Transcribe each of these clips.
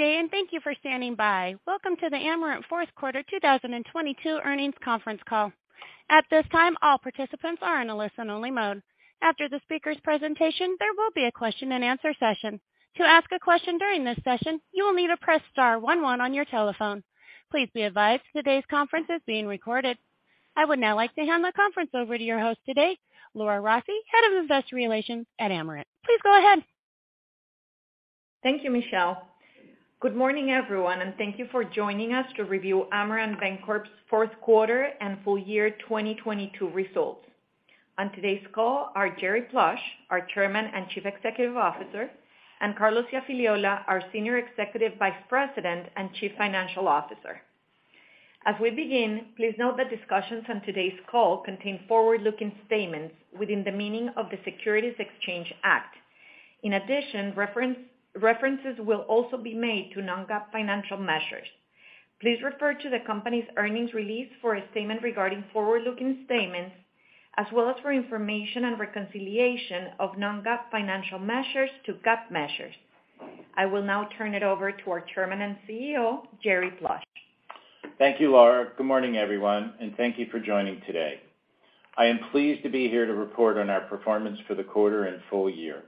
Good day, and thank you for standing by. Welcome to the Amerant Q4 2022 earnings conference call. At this time, all participants are in a listen-only mode. After the speaker's presentation, there will be a question and answer session. To ask a question during this session, you will need to press star one-one on your telephone. Please be advised today's conference is being recorded. I would now like to hand the conference over to your host today, Laura Rossi, Head of Investor Relations at Amerant. Please go ahead. Thank you, Michelle. Good morning, everyone, and thank you for joining us to review Amerant Bank Corp's Q4 and full year 2022 results. On today's call are Jerry Plush, our Chairman and Chief Executive Officer, and Carlos Iafigliola, our Senior Executive Vice President and Chief Financial Officer. As we begin, please note that discussions on today's call contain forward-looking statements within the meaning of the Securities Exchange Act. In addition, references will also be made to non-GAAP financial measures. Please refer to the company's earnings release for a statement regarding forward-looking statements as well as for information and reconciliation of non-GAAP financial measures to GAAP measures. I will now turn it over to our Chairman and CEO, Jerry Plush. Thank you, Laura. Good morning, everyone, thank you for joining today. I am pleased to be here to report on our performance for the quarter and full year.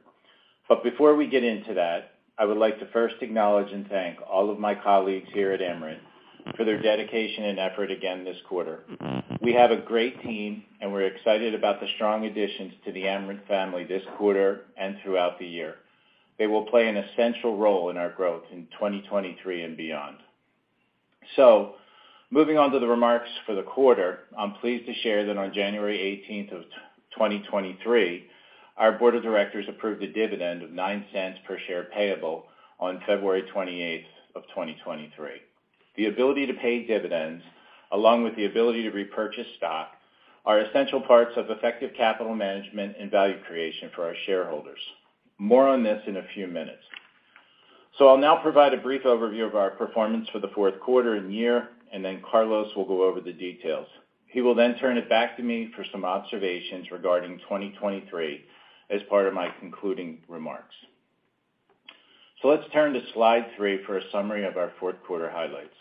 Before we get into that, I would like to first acknowledge and thank all of my colleagues here at Amerant for their dedication and effort again this quarter. We have a great team, and we're excited about the strong additions to the Amerant family this quarter and throughout the year. They will play an essential role in our growth in 2023 and beyond. Moving on to the remarks for the quarter, I'm pleased to share that on January 18th of 2023, our board of directors approved a dividend of $0.09 per share payable on February 28th of 2023. The ability to pay dividends along with the ability to repurchase stock are essential parts of effective capital management and value creation for our shareholders. More on this in a few minutes. I'll now provide a brief overview of our performance for the Q4 and year, and then Carlos will go over the details. He will then turn it back to me for some observations regarding 2023 as part of my concluding remarks. Let's turn to slide three for a summary of our Q4 highlights.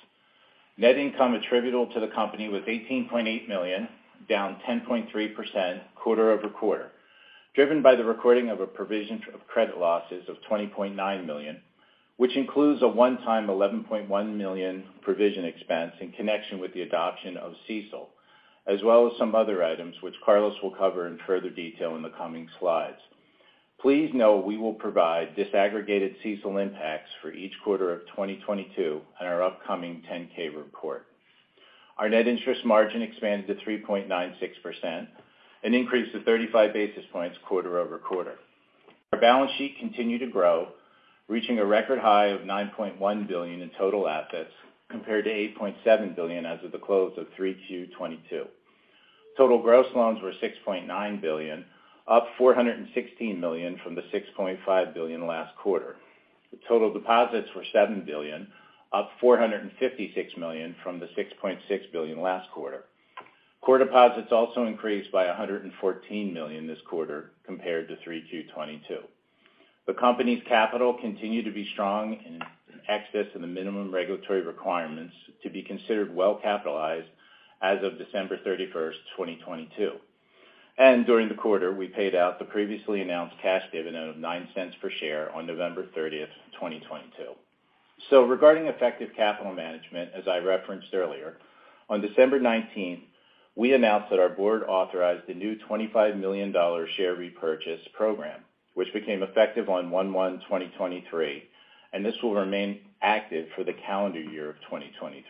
Net income attributable to the company was $18.8 million, down 10.3% quarter-over-quarter, driven by the recording of a provision of credit losses of $20.9 million, which includes a one-time $11.1 million provision expense in connection with the adoption of CECL, as well as some other items which Carlos will cover in further detail in the coming slides. Please note we will provide disaggregated CECL impacts for each quarter of 2022 on our upcoming 10-K report. Our net interest margin expanded to 3.96%, an increase to 35 basis points quarter-over-quarter. Our balance sheet continued to grow, reaching a record high of $9.1 billion in total assets compared to $8.7 billion as of the close of 3/2/2022. Total gross loans were $6.9 billion, up $416 million from the $6.5 billion last quarter. The total deposits were $7 billion, up $456 million from the $6.6 billion last quarter. Core deposits also increased by $114 million this quarter compared to 3/2/2022. The company's capital continued to be strong in excess of the minimum regulatory requirements to be considered well capitalized as of December 31, 2022. During the quarter, we paid out the previously announced cash dividend of $0.09 per share on November 30, 2022. Regarding effective capital management, as I referenced earlier, on December 19th, we announced that our board authorized a new $25 million share repurchase program, which became effective on 1/1/2023. This will remain active for the calendar year of 2023.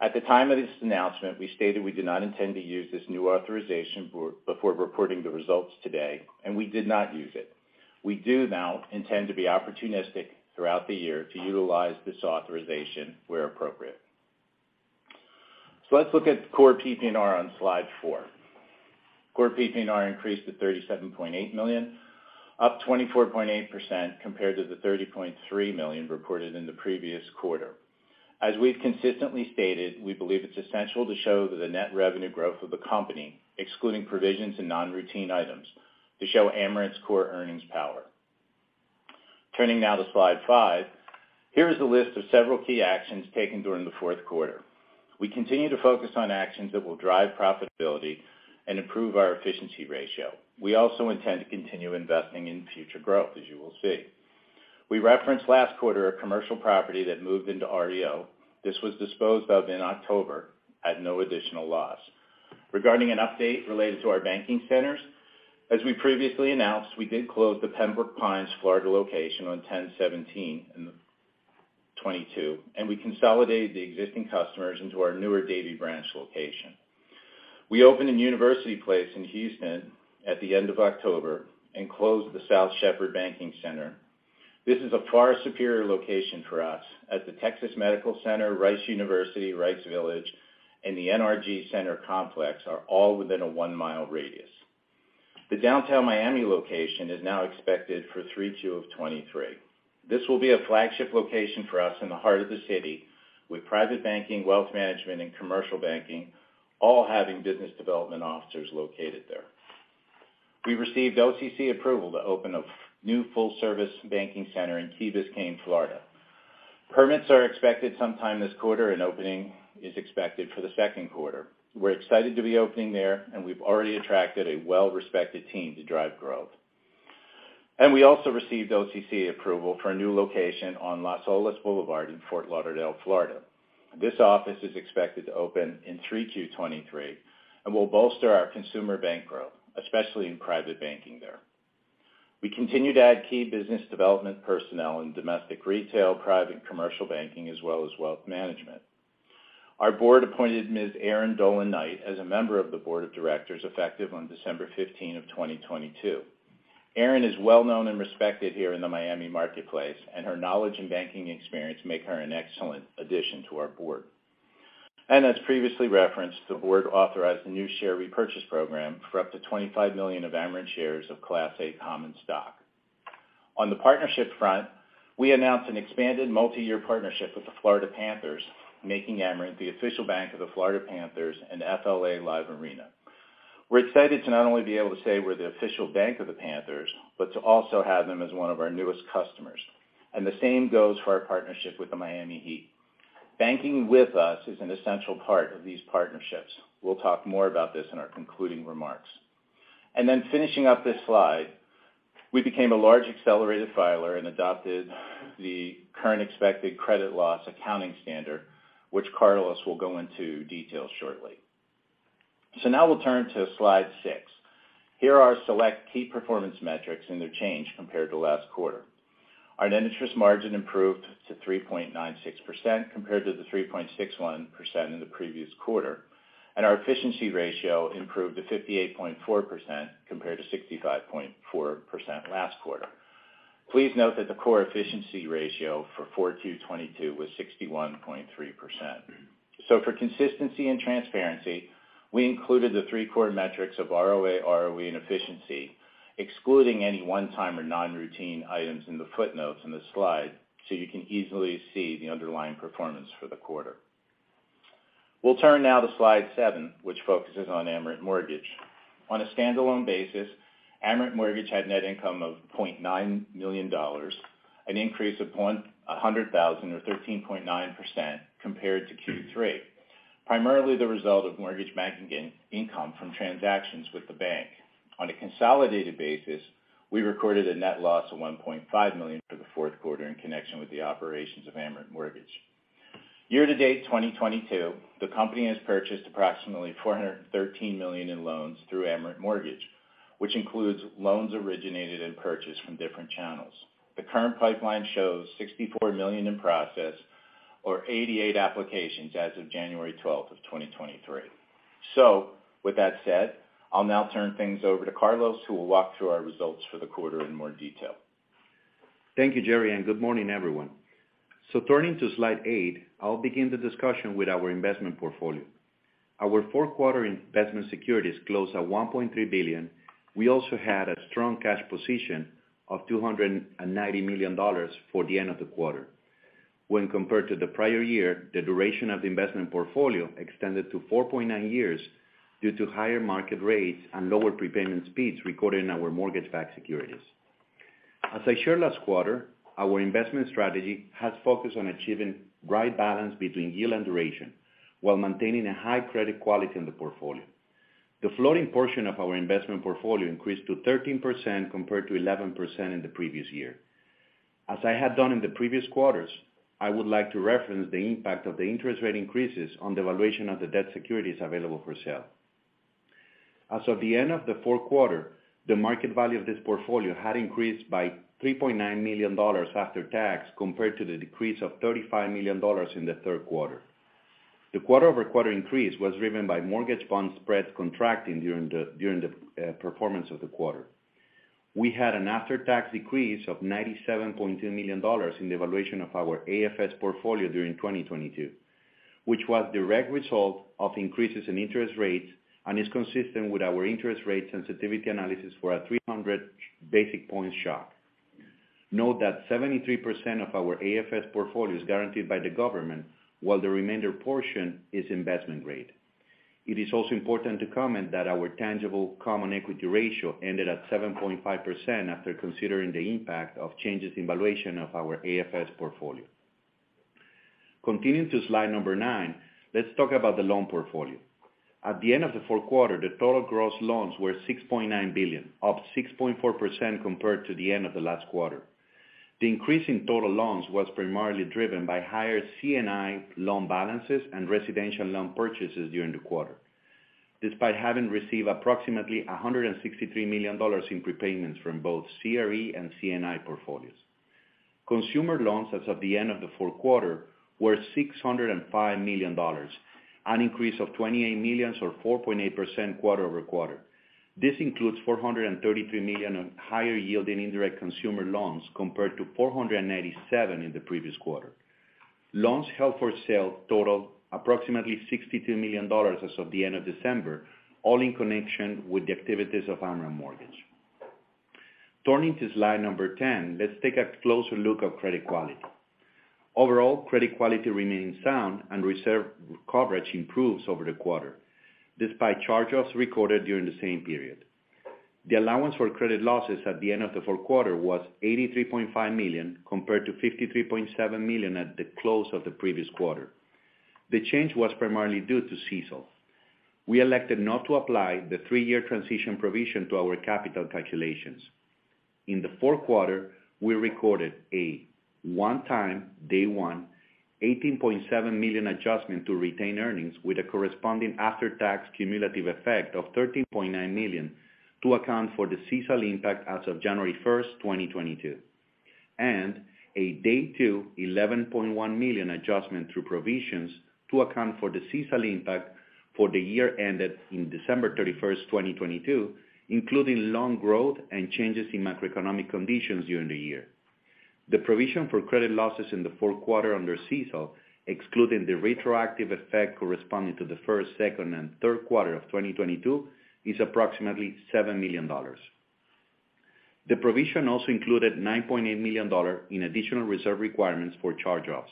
At the time of this announcement, we stated we do not intend to use this new authorization before reporting the results today. We did not use it. We do now intend to be opportunistic throughout the year to utilize this authorization where appropriate. Let's look at core PPNR on slide four. Core PPNR increased to $37.8 million, up 24.8% compared to the $30.3 million reported in the previous quarter. As we've consistently stated, we believe it's essential to show the net revenue growth of the company, excluding provisions and non-routine items to show Amerant's core earnings power. Turning now to slide five. Here is a list of several key actions taken during the Q4. We continue to focus on actions that will drive profitability and improve our efficiency ratio. We also intend to continue investing in future growth, as you will see. We referenced last quarter a commercial property that moved into REO. This was disposed of in October at no additional loss. Regarding an update related to our banking centers, as we previously announced, we did close the Pembroke Pines, Florida location on 10/17/2022, and we consolidated the existing customers into our newer Davie branch location. We opened in University Place in Houston at the end of October and closed the South Shepherd Banking Center. This is a far superior location for us as the Texas Medical Center, Rice University, Rice Village, and the NRG Center complex are all within a one-mile radius. The downtown Miami location is now expected for March 2, 2023. This will be a flagship location for us in the heart of the city with private banking, wealth management, and commercial banking, all having business development officers located there. We received OCC approval to open a new full-service banking center in Key Biscayne, Florida. Permits are expected sometime this quarter. Opening is expected for the Q2. We're excited to be opening there. We've already attracted a well-respected team to drive growth. We also received OCC approval for a new location on Las Olas Boulevard in Fort Lauderdale, Florida. This office is expected to open in 3/2/2023 and will bolster our consumer bank growth, especially in private banking there. We continue to add key business development personnel in domestic retail, private commercial banking, as well as wealth management. Our board appointed Ms. Erin Dolan Knight as a member of the board of directors effective on December 15, 2022. Erin is well-known and respected here in the Miami marketplace, and her knowledge and banking experience make her an excellent addition to our board. As previously referenced, the board authorized a new share repurchase program for up to $25 million of Amerant shares of Class A common stock. On the partnership front, we announced an expanded multi-year partnership with the Florida Panthers, making Amerant the official bank of the Florida Panthers and Amerant Bank Arena. We're excited to not only be able to say we're the official bank of the Panthers, but to also have them as one of our newest customers. The same goes for our partnership with the Miami Heat. Banking with us is an essential part of these partnerships. We'll talk more about this in our concluding remarks. Then finishing up this slide, we became a large accelerated filer and adopted the current expected credit loss accounting standard, which Carlos will go into details shortly. Now we'll turn to slide six. Here are our select key performance metrics and their change compared to last quarter. Our net interest margin improved to 3.96% compared to the 3.61% in the previous quarter. Our efficiency ratio improved to 58.4% compared to 65.4% last quarter. Please note that the core efficiency ratio for 4/2/2022 was 61.3%. For consistency and transparency, we included the three core metrics of ROA, ROE, and efficiency, excluding any one-time or non-routine items in the footnotes in this slide, you can easily see the underlying performance for the quarter. We'll turn now to slide seven, which focuses on Amerant Mortgage. On a standalone basis, Amerant Mortgage had net income of $0.9 million, an increase of $100,000 or 13.9% compared to Q3. Primarily the result of mortgage banking in-income from transactions with the bank. On a consolidated basis, we recorded a net loss of $1.5 million for the Q4 in connection with the operations of Amerant Mortgage. Year to date 2022, the company has purchased approximately $413 million in loans through Amerant Mortgage, which includes loans originated and purchased from different channels. The current pipeline shows $64 million in process or 88 applications as of January 12th of 2023. With that said, I'll now turn things over to Carlos, who will walk through our results for the quarter in more detail. Thank you, Jerry, good morning, everyone. Turning to slide eight, I'll begin the discussion with our investment portfolio. Our Q4 investment securities closed at $1.3 billion. We also had a strong cash position of $290 million for the end of the quarter. When compared to the prior year, the duration of the investment portfolio extended to 4.9 years due to higher market rates and lower prepayment speeds recorded in our mortgage-backed securities. As I shared last quarter, our investment strategy has focused on achieving right balance between yield and duration while maintaining a high credit quality in the portfolio. The floating portion of our investment portfolio increased to 13% compared to 11% in the previous year. As I had done in the previous quarters, I would like to reference the impact of the interest rate increases on the valuation of the debt securities available for sale. As of the end of the Q4, the market value of this portfolio had increased by $3.9 million after tax compared to the decrease of $35 million in the Q3. The quarter-over-quarter increase was driven by mortgage bond spreads contracting during the performance of the quarter. We had an after-tax decrease of $97.2 million in the valuation of our AFS portfolio during 2022, which was direct result of increases in interest rates and is consistent with our interest rate sensitivity analysis for a 300 basis points shock. Note that 73% of our AFS portfolio is guaranteed by the government while the remainder portion is investment grade. It is also important to comment that our tangible common equity ratio ended at 7.5% after considering the impact of changes in valuation of our AFS portfolio. Continuing to slide number nine, let's talk about the loan portfolio. At the end of the Q4, the total gross loans were $6.9 billion, up 6.4% compared to the end of the last quarter. The increase in total loans was primarily driven by higher C&I loan balances and residential loan purchases during the quarter. Despite having received approximately $163 million in prepayments from both CRE and C&I portfolios. Consumer loans as of the end of the Q4 were $605 million, an increase of $28 million or 4.8% quarter-over-quarter. This includes $433 million on higher yielding indirect consumer loans compared to $497 million in the previous quarter. Loans held for sale totaled approximately $62 million as of the end of December, all in connection with the activities of Amerant Mortgage. Turning to slide number 10, let's take a closer look of credit quality. Overall credit quality remains sound and reserve coverage improves over the quarter, despite charge-offs recorded during the same period. The allowance for credit losses at the end of the Q4 was $83.5 million, compared to $53.7 million at the close of the previous quarter. The change was primarily due to CECL. We elected not to apply the three year transition provision to our capital calculations. In the Q4, we recorded a one-time day one, $18.7 million adjustment to retain earnings with a corresponding after-tax cumulative effect of $13.9 million to account for the CECL impact as of January 1, 2022. A day two, $11.1 million adjustment through provisions to account for the CECL impact for the year ended in December 31, 2022, including loan growth and changes in macroeconomic conditions during the year. The provision for credit losses in the Q4 under CECL, excluding the retroactive effect corresponding to the Q1, Q2, and Q3 of 2022, is approximately $7 million. The provision also included $9.8 million in additional reserve requirements for charge-offs.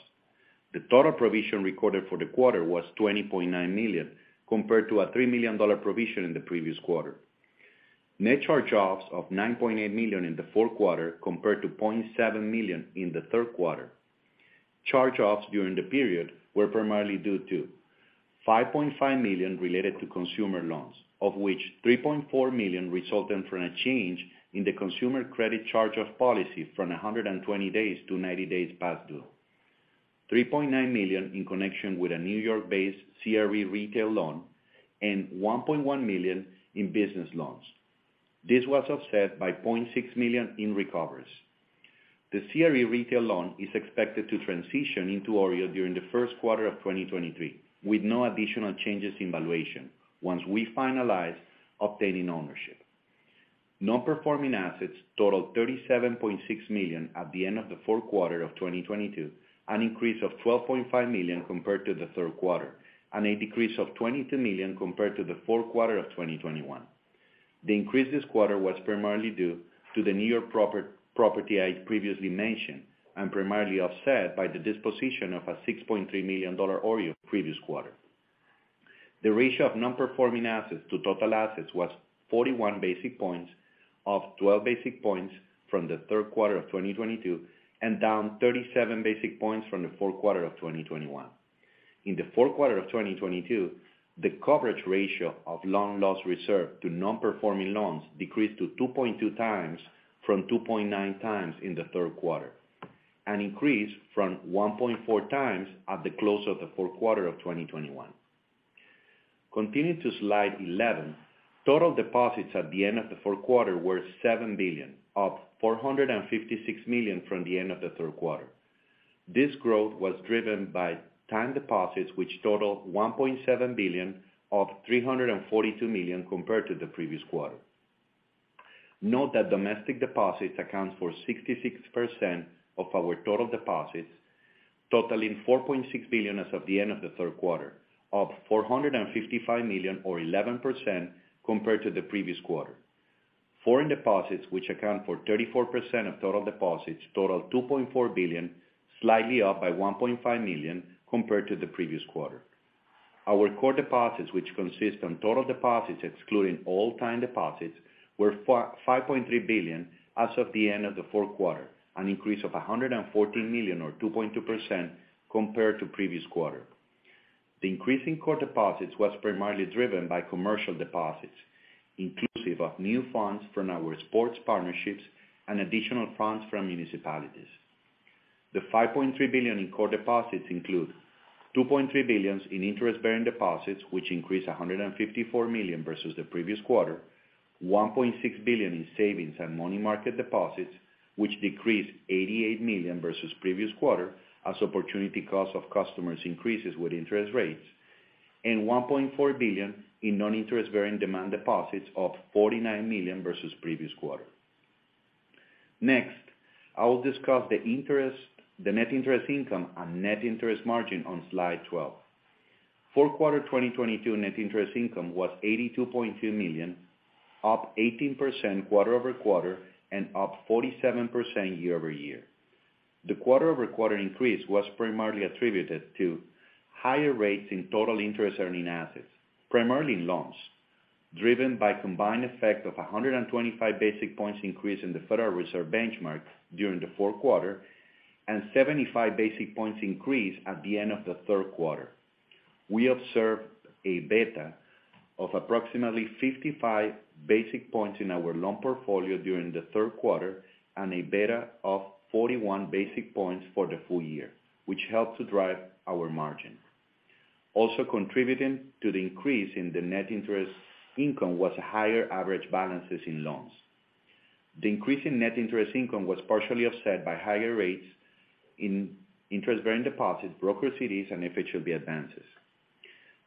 The total provision recorded for the quarter was $20.9 million, compared to a $3 million provision in the previous quarter. Net charge-offs of $9.8 million in the Q4, compared to $0.7 million in the Q3. Charge-offs during the period were primarily due to $5.5 million related to consumer loans, of which $3.4 million resulted from a change in the consumer credit charge-off policy from 120 days to 90 days past due. $3.9 million in connection with a New York-based CRE retail loan, and $1.1 million in business loans. This was offset by $0.6 million in recovers. The CRE retail loan is expected to transition into OREO during the Q1 of 2023, with no additional changes in valuation once we finalize obtaining ownership. Non-performing assets totaled $37.6 million at the end of the Q4 of 2022, an increase of $12.5 million compared to the Q3, and a decrease of $22 million compared to the Q4 of 2021. The increase this quarter was primarily due to the New York property I previously mentioned, and primarily offset by the disposition of a $6.3 million OREO previous quarter. The ratio of non-performing assets to total assets was 41 basis points, up 12 basis points from the Q3 of 2022, and down 37 basis points from the Q4 of 2021. In the Q4 of 2022, the coverage ratio of loan loss reserve to non-performing loans decreased to 2.2 times from 2.9 times in the Q3, an increase from 1.4 times at the close of the Q4 of 2021. Continuing to slide 11. Total deposits at the end of the Q4 were $7 billion, up $456 million from the end of the Q3. This growth was driven by time deposits, which totaled $1.7 billion, up $342 million compared to the previous quarter. Note that domestic deposits accounts for 66% of our total deposits, totaling $4.6 billion as of the end of the Q3, up $455 million or 11% compared to the previous quarter. Foreign deposits, which account for 34% of total deposits, total $2.4 billion, slightly up by $1.5 million compared to the previous quarter. Our core deposits, which consist on total deposits excluding all-time deposits, were $5.3 billion as of the end of the Q4, an increase of $114 million or 2.2% compared to previous quarter. The increase in core deposits was primarily driven by commercial deposits, inclusive of new funds from our sports partnerships and additional funds from municipalities. The $5.3 billion in core deposits include $2.3 billions in interest-bearing deposits, which increased $154 million versus the previous quarter. $1.6 billion in savings and money market deposits, which decreased $88 million versus previous quarter as opportunity cost of customers increases with interest rates. $1.4 billion in non-interest bearing demand deposits of $49 million versus previous quarter. Next, I will discuss the net interest income and net interest margin on slide 12. Q4 2022 net interest income was $82.2 million, up 18% quarter-over-quarter and up 47% year-over-year. The quarter-over-quarter increase was primarily attributed to higher rates in total interest earning assets, primarily in loans, driven by combined effect of 125 basis points increase in the Federal Reserve benchmark during the Q4 and 75 basis points increase at the end of the Q3. We observed a beta of approximately 55 basis points in our loan portfolio during the Q3 and a beta of 41 basis points for the full year, which helped to drive our margin. Contributing to the increase in the net interest income was higher average balances in loans. The increase in net interest income was partially offset by higher rates in interest-bearing deposits, broker CDs, and FHLB advances.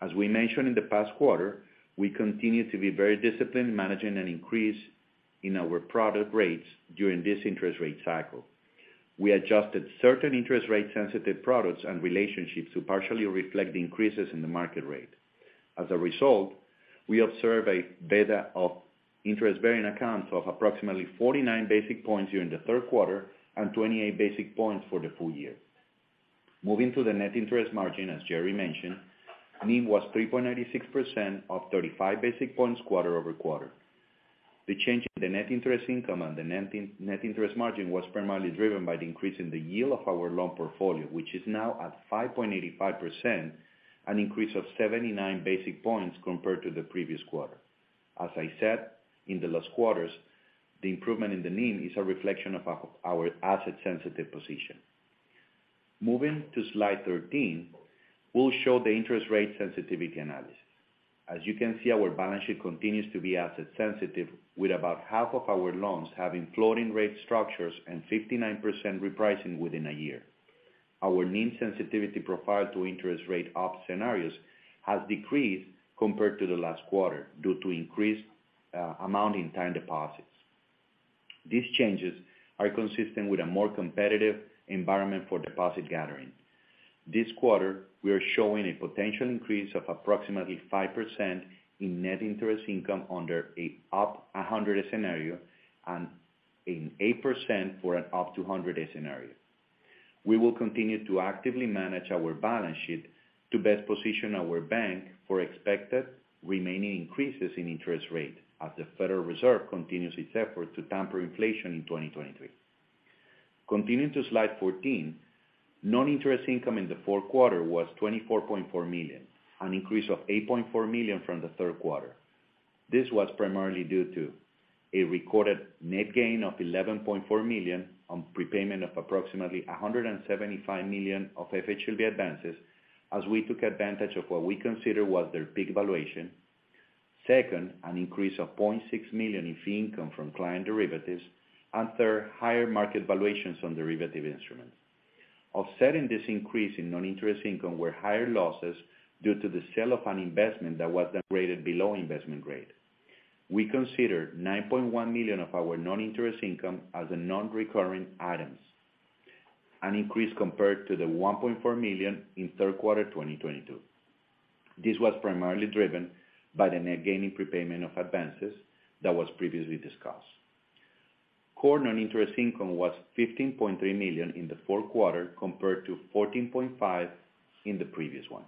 As we mentioned in the past quarter, we continue to be very disciplined in managing an increase in our product rates during this interest rate cycle. We adjusted certain interest rate sensitive products and relationships to partially reflect the increases in the market rate. As a result, we observe a beta of interest-bearing accounts of approximately 49 basis points during the Q3 and 28 basis points for the full year. Moving to the net interest margin, as Jerry mentioned, NIM was 3.86% of 35 basis points quarter-over-quarter. The change in the net interest income and the net interest margin was primarily driven by the increase in the yield of our loan portfolio, which is now at 5.85%, an increase of 79 basic points compared to the previous quarter. I said, in the last quarters, the improvement in the NIM is a reflection of our asset-sensitive position. Moving to slide 13, we'll show the interest rate sensitivity analysis. You can see, our balance sheet continues to be asset sensitive, with about half of our loans having floating rate structures and 59% repricing within a year. Our NIM sensitivity profile to interest rate up scenarios has decreased compared to the last quarter due to increased amount in time deposits. These changes are consistent with a more competitive environment for deposit gathering. This quarter, we are showing a potential increase of approximately 5% in net interest income under a up 100 scenario and in 8% for an up 200 scenario. We will continue to actively manage our balance sheet to best position our bank for expected remaining increases in interest rate as the Federal Reserve continues its effort to tamper inflation in 2023. Continuing to slide 14, non-interest income in the Q4 was $24.4 million, an increase of $8.4 million from the Q3. This was primarily due to a recorded net gain of $11.4 million on prepayment of approximately $175 million of FHLB advances as we took advantage of what we consider was their peak valuation. Second, an increase of $0.6 million in fee income from client derivatives. Third, higher market valuations on derivative instruments. Offsetting this increase in non-interest income were higher losses due to the sale of an investment that was then rated below investment grade. We consider $9.1 million of our non-interest income as a non-recurring items, an increase compared to the $1.4 million in Q3 2022. This was primarily driven by the net gain in prepayment of advances that was previously discussed. Core non-interest income was $15.3 million in the Q4 compared to $14.5 million in the previous one.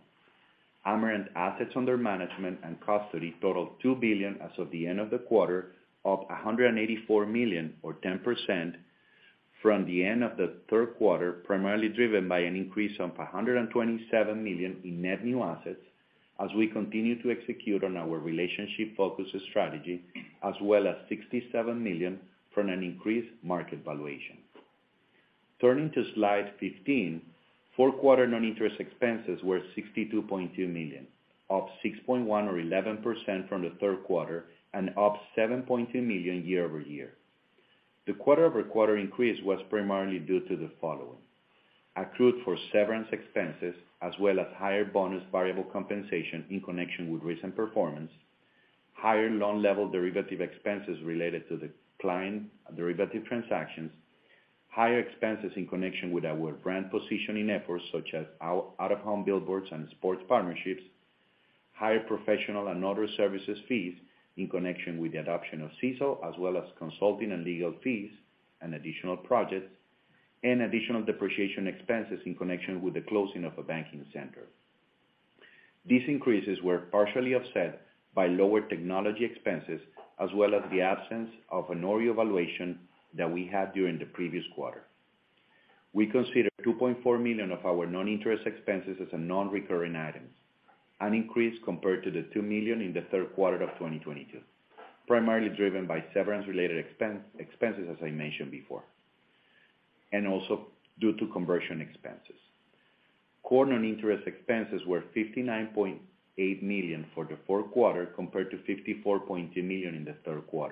Amerant assets under management and custody totaled $2 billion as of the end of the quarter, up $184 million or 10% from the end of the Q3, primarily driven by an increase of $127 million in net new assets as we continue to execute on our relationship-focused strategy, as well as $67 million from an increased market valuation. Turning to slide 15, Q4 non-interest expenses were $62.2 million, up $6.1 million or 11% from the Q3 and up $7.2 million year-over-year. The quarter-over-quarter increase was primarily due to the following: accrued for severance expenses, as well as higher bonus variable compensation in connection with recent performance, higher loan level derivative expenses related to the client derivative transactions, higher expenses in connection with our brand positioning efforts such as out-of-home billboards and sports partnerships, higher professional and other services fees in connection with the adoption of CECL, as well as consulting and legal fees and additional projects, and additional depreciation expenses in connection with the closing of a banking center. These increases were partially offset by lower technology expenses, as well as the absence of an OREO evaluation that we had during the previous quarter. We consider $2.4 million of our non-interest expenses as non-recurring items, an increase compared to the $2 million in the Q3 of 2022, primarily driven by severance-related expenses, as I mentioned before, and also due to conversion expenses. Core non-interest expenses were $59.8 million for the Q4 compared to $54.2 million in the Q3.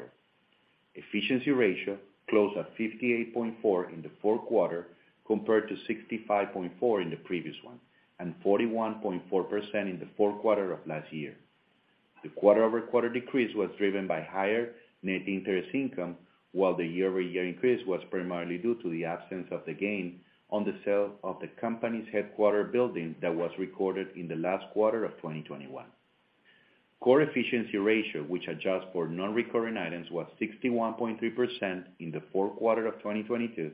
Efficiency ratio closed at 58.4% in the Q4 compared to 65.4% in the previous one, and 41.4% in the Q4 of last year. The quarter-over-quarter decrease was driven by higher net interest income, while the year-over-year increase was primarily due to the absence of the gain on the sale of the company's headquarter building that was recorded in the last quarter of 2021. Core efficiency ratio, which adjusts for non-recurring items, was 61.3% in the Q4 of 2022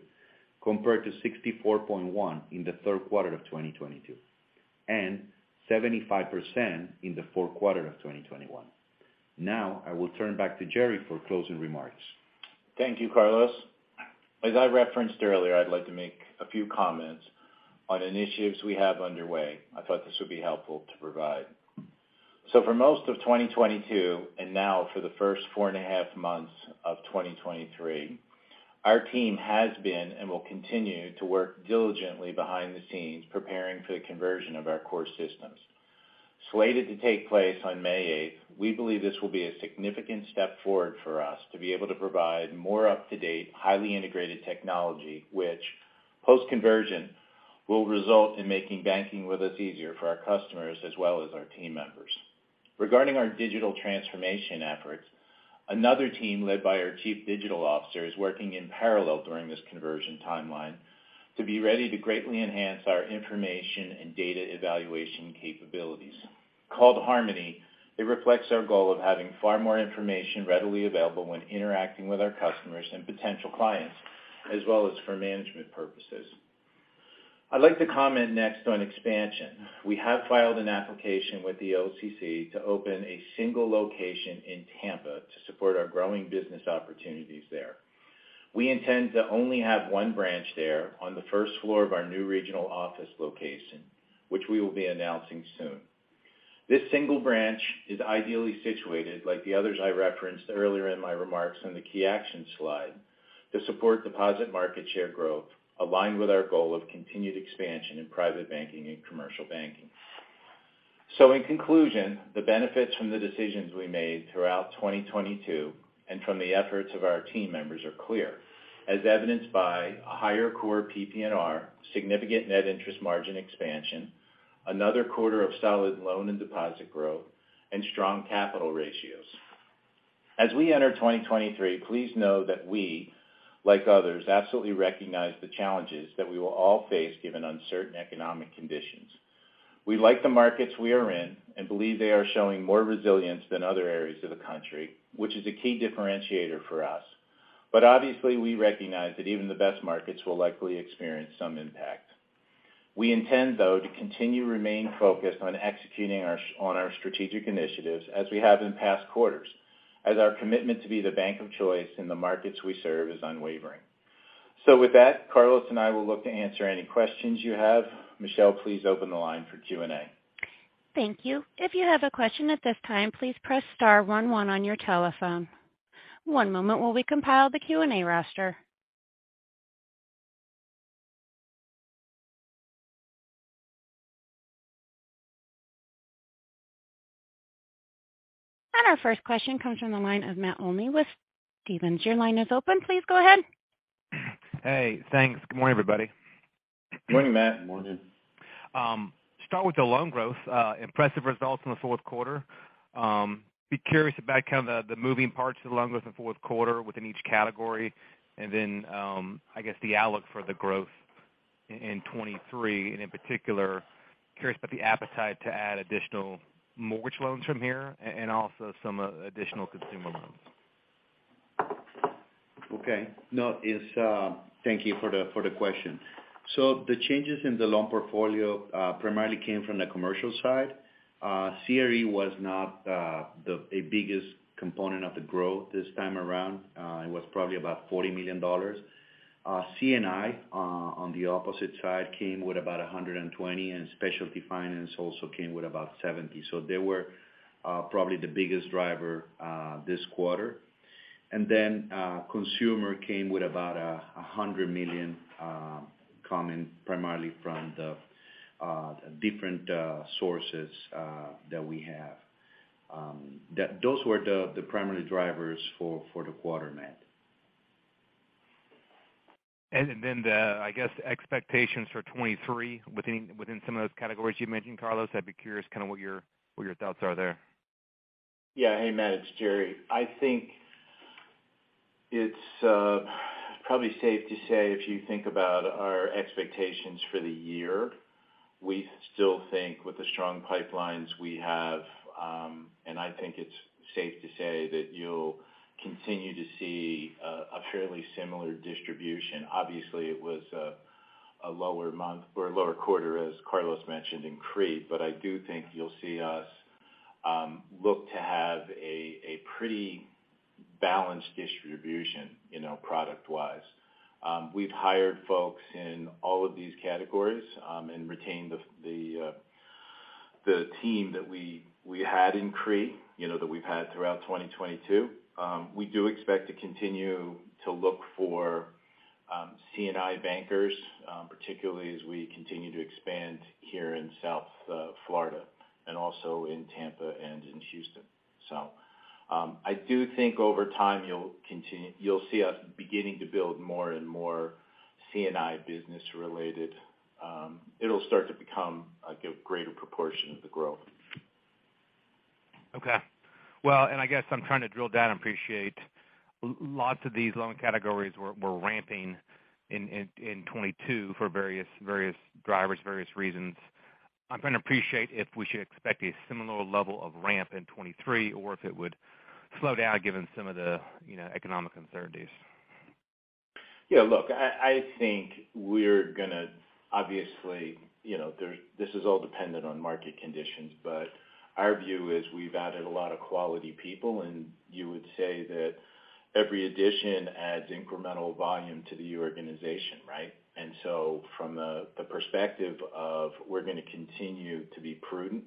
compared to 64.1% in the Q3 of 2022, 75% in the Q4 of 2021. I will turn back to Jerry for closing remarks. Thank you, Carlos. As I referenced earlier, I'd like to make a few comments on initiatives we have underway. I thought this would be helpful to provide. For most of 2022 and now for the first 4.5 Months of 2023, our team has been and will continue to work diligently behind the scenes preparing for the conversion of our core systems. Slated to take place on May 8th, we believe this will be a significant step forward for us to be able to provide more up-to-date, highly integrated technology, which post-conversion will result in making banking with us easier for our customers as well as our team members. Regarding our digital transformation efforts, another team led by our Chief Digital Officer is working in parallel during this conversion timeline to be ready to greatly enhance our information and data evaluation capabilities. Called Harmony, it reflects our goal of having far more information readily available when interacting with our customers and potential clients, as well as for management purposes. I'd like to comment next on expansion. We have filed an application with the OCC to open a single location in Tampa to support our growing business opportunities there. We intend to only have one branch there on the first floor of our new regional office location, which we will be announcing soon. This single branch is ideally situated, like the others I referenced earlier in my remarks on the key actions slide, to support deposit market share growth aligned with our goal of continued expansion in private banking and commercial banking. In conclusion, the benefits from the decisions we made throughout 2022 and from the efforts of our team members are clear, as evidenced by a higher core PPNR, significant net interest margin expansion, another quarter of solid loan and deposit growth, and strong capital ratios. As we enter 2023, please know that we, like others, absolutely recognize the challenges that we will all face given uncertain economic conditions. We like the markets we are in and believe they are showing more resilience than other areas of the country, which is a key differentiator for us. Obviously, we recognize that even the best markets will likely experience some impact. We intend, though, to continue to remain focused on executing on our strategic initiatives as we have in past quarters, as our commitment to be the bank of choice in the markets we serve is unwavering. With that, Carlos and I will look to answer any questions you have. Michelle, please open the line for Q&A. Thank you. If you have a question at this time, please press star one one on your telephone. One moment while we compile the Q&A roster. Our first question comes from the line of Matt Olney with Stephens. Your line is open. Please go ahead. Hey, thanks. Good morning, everybody. Good morning, Matt. Morning. Start with the loan growth, impressive results in the Q4. Be curious about kind of the moving parts of the loan growth in the Q4 within each category. I guess the outlook for the growth in 2023, and in particular, curious about the appetite to add additional mortgage loans from here and also some additional consumer loans. Okay. No, it's. Thank you for the question. The changes in the loan portfolio primarily came from the commercial side. CRE was not the biggest component of the growth this time around. It was probably about $40 million. C&I on the opposite side, came with about $120 million, and specialty finance also came with about $70 million. They were probably the biggest driver this quarter. Consumer came with about $100 million coming primarily from the different sources that we have. Those were the primary drivers for the quarter, Matt. Then the, I guess, expectations for 2023 within some of those categories you mentioned, Carlos, I'd be curious kind of what your, what your thoughts are there. Hey, Matt, it's Jerry. I think it's probably safe to say if you think about our expectations for the year, we still think with the strong pipelines we have, I think it's safe to say that you'll continue to see a fairly similar distribution. Obviously, it was a lower month or a lower quarter, as Carlos mentioned in CRE, I do think you'll see us look to have a pretty balanced distribution, you know, product-wise. We've hired folks in all of these categories, and retained the team that we had in CRE, you know, that we've had throughout 2022. We do expect to continue to look for C&I bankers, particularly as we continue to expand here in South Florida and also in Tampa and in Houston. I do think over time you'll see us beginning to build more and more C&I business related. It'll start to become like a greater proportion of the growth. Well, I guess I'm trying to drill down. Appreciate lots of these loan categories were ramping in 2022 for various drivers, various reasons. I'm trying to appreciate if we should expect a similar level of ramp in 2023 or if it would slow down given some of the, you know, economic uncertainties. Yeah, look, I think we're gonna obviously, you know, this is all dependent on market conditions. Our view is we've added a lot of quality people, and you would say that every addition adds incremental volume to the organization, right? From the perspective of we're gonna continue to be prudent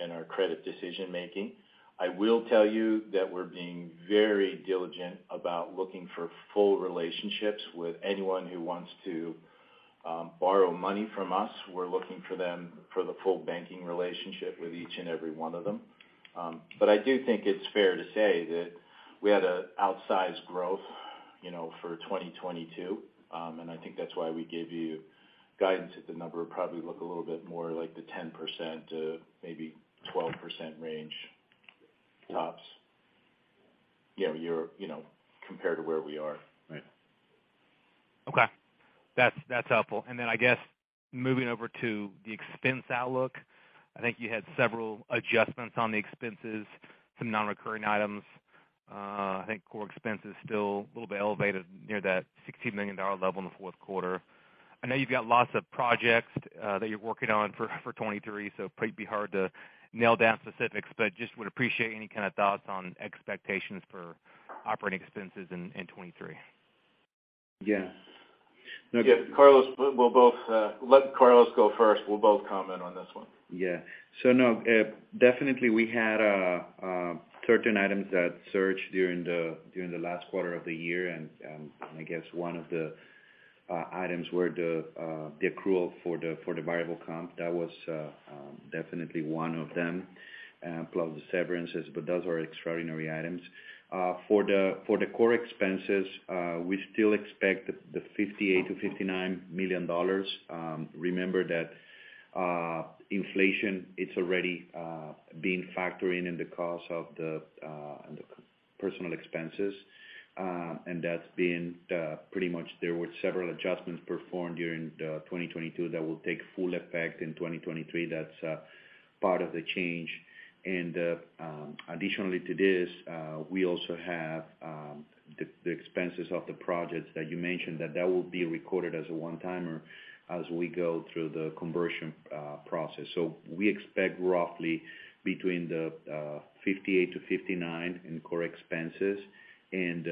in our credit decision-making. I will tell you that we're being very diligent about looking for full relationships with anyone who wants to borrow money from us. We're looking for them for the full banking relationship with each and every one of them. I do think it's fair to say that we had an outsized growth You know, for 2022. I think that's why we gave you guidance that the number would probably look a little bit more like the 10% to maybe 12% range tops. You know, compared to where we are. Right. Okay. That's helpful. I guess moving over to the expense outlook, I think you had several adjustments on the expenses, some non-recurring items. I think core expense is still a little bit elevated near that $60 million level in the Q4. I know you've got lots of projects that you're working on for 2023, so it'd be hard to nail down specifics, but just would appreciate any kind of thoughts on expectations for operating expenses in 2023. Yeah. Yeah. Carlos, Let Carlos go first. We'll both comment on this one. had certain items that surged during the last quarter of the year, and I guess one of the items were the accrual for the variable comp. That was definitely one of them, plus the severances, but those are extraordinary items. For the core expenses, we still expect the $58 million-$59 million. Remember that inflation is already being factored in in the cost of the personal expenses, and that's been pretty much there were several adjustments performed during 2022 that will take full effect in 2023. That's part of the change. Additionally to this, we also have the expenses of the projects that you mentioned, that will be recorded as a one-timer as we go through the conversion process. We expect roughly between $58-$59 in core expenses and,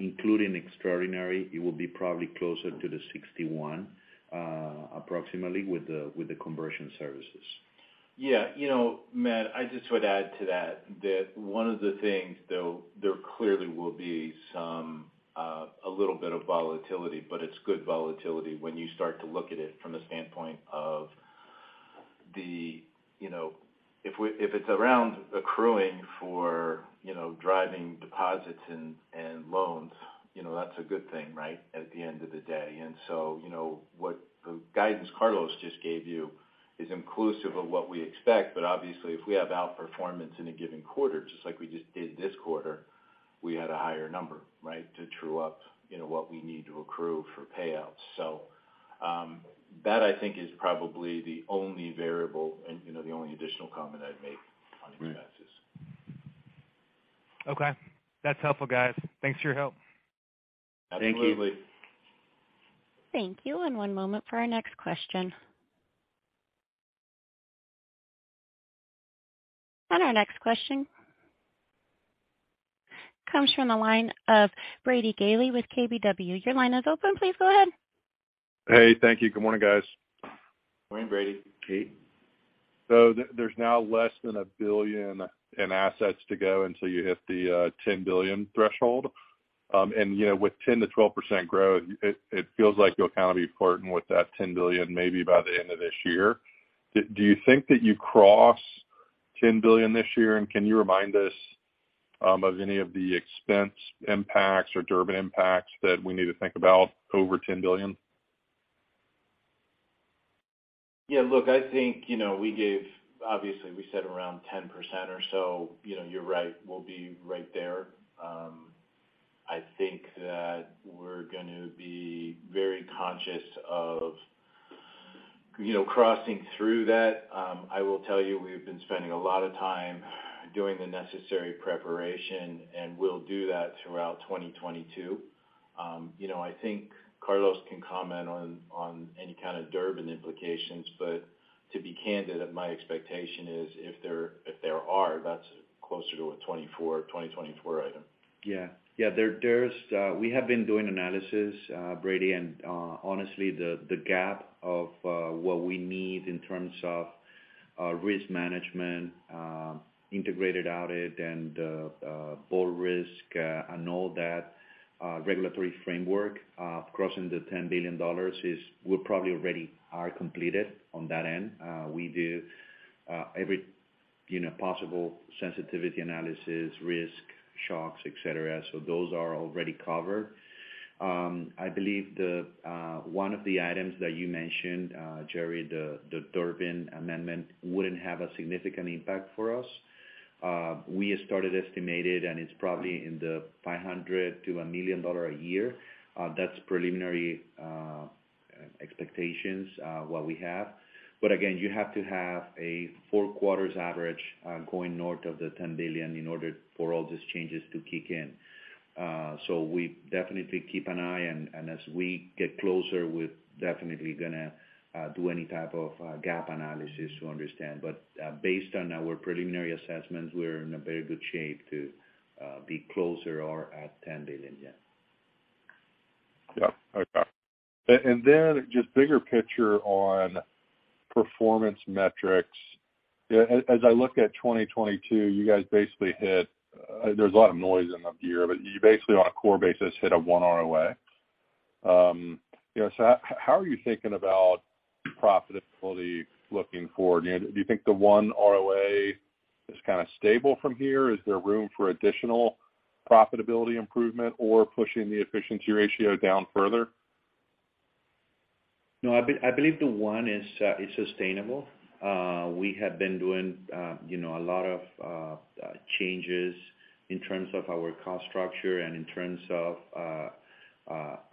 including extraordinary, it will be probably closer to $61 approximately with the conversion services. Yeah. You know, Matt, I just would add to that one of the things, though, there clearly will be some, a little bit of volatility, but it's good volatility when you start to look at it from a standpoint of the, you know, if it's around accruing for, you know, driving deposits and loans, you know, that's a good thing, right? At the end of the day. You know, what the guidance Carlos just gave you is inclusive of what we expect. Obviously, if we have outperformance in a given quarter, just like we just did this quarter, we had a higher number, right, to true up, you know, what we need to accrue for payouts. That I think is probably the only variable and, you know, the only additional comment I'd make on expenses. Okay. That's helpful, guys. Thanks for your help. Absolutely. Thank you. Thank you. One moment for our next question. Our next question comes from the line of Brady Gailey with KBW. Your line is open. Please go ahead. Hey, thank you. Good morning, guys. Morning, Brady. Kate. There's now less than $1 billion in assets to go until you hit the $10 billion threshold. And, you know, with 10%-12% growth, it feels like you'll kind of be flirting with that $10 billion maybe by the end of this year. Do you think that you cross $10 billion this year? Can you remind us of any of the expense impacts or Durbin impacts that we need to think about over $10 billion? Look, I think, you know, we obviously, we said around 10% or so. You know, you're right, we'll be right there. I think that we're gonna be very conscious of, you know, crossing through that. I will tell you, we've been spending a lot of time doing the necessary preparation, and we'll do that throughout 2022. You know, I think Carlos can comment on any kind of Durbin implications, but to be candid, my expectation is if there are, that's closer to a 2024 item. Yeah. There's, we have been doing analysis, Brady, honestly, the gap of what we need in terms of risk management, integrated audit and full risk and all that regulatory framework of crossing the $10 billion is we're probably already are completed on that end. We do, every, you know, possible sensitivity analysis, risk shocks, et cetera. Those are already covered. I believe the one of the items that you mentioned, Jerry, the Durbin Amendment wouldn't have a significant impact for us. We started estimated, and it's probably in the $500,000 to $1 million a year. That's preliminary expectations what we have. Again, you have to have a four quarters average, going north of the $10 billion in order for all these changes to kick in. So we definitely keep an eye and, as we get closer, we're definitely gonna do any type of gap analysis to understand. Based on our preliminary assessments, we're in a very good shape to be closer or at $10 billion. Yeah. Okay. Then just bigger picture on performance metrics. As I look at 2022, you guys basically hit, there's a lot of noise in the year, but you basically on a core basis, hit a 1% ROA. You know, how are you thinking about profitability looking forward? Do you think the 1% ROA is kind of stable from here? Is there room for additional profitability improvement or pushing the efficiency ratio down further? No, I believe the one is sustainable. We have been doing, you know, a lot of changes in terms of our cost structure and in terms of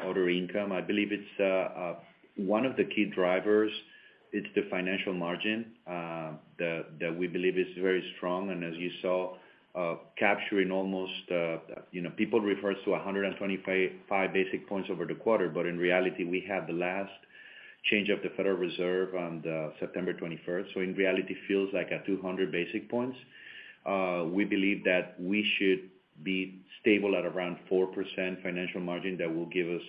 other income. I believe it's one of the key drivers, it's the financial margin that we believe is very strong. And as you saw, capturing almost, you know, people refers to 125 basic points over the quarter, but in reality, we had the last change of the Federal Reserve on September twenty-first. In reality, it feels like 200 basic points. We believe that we should be stable at around 4% financial margin that will give us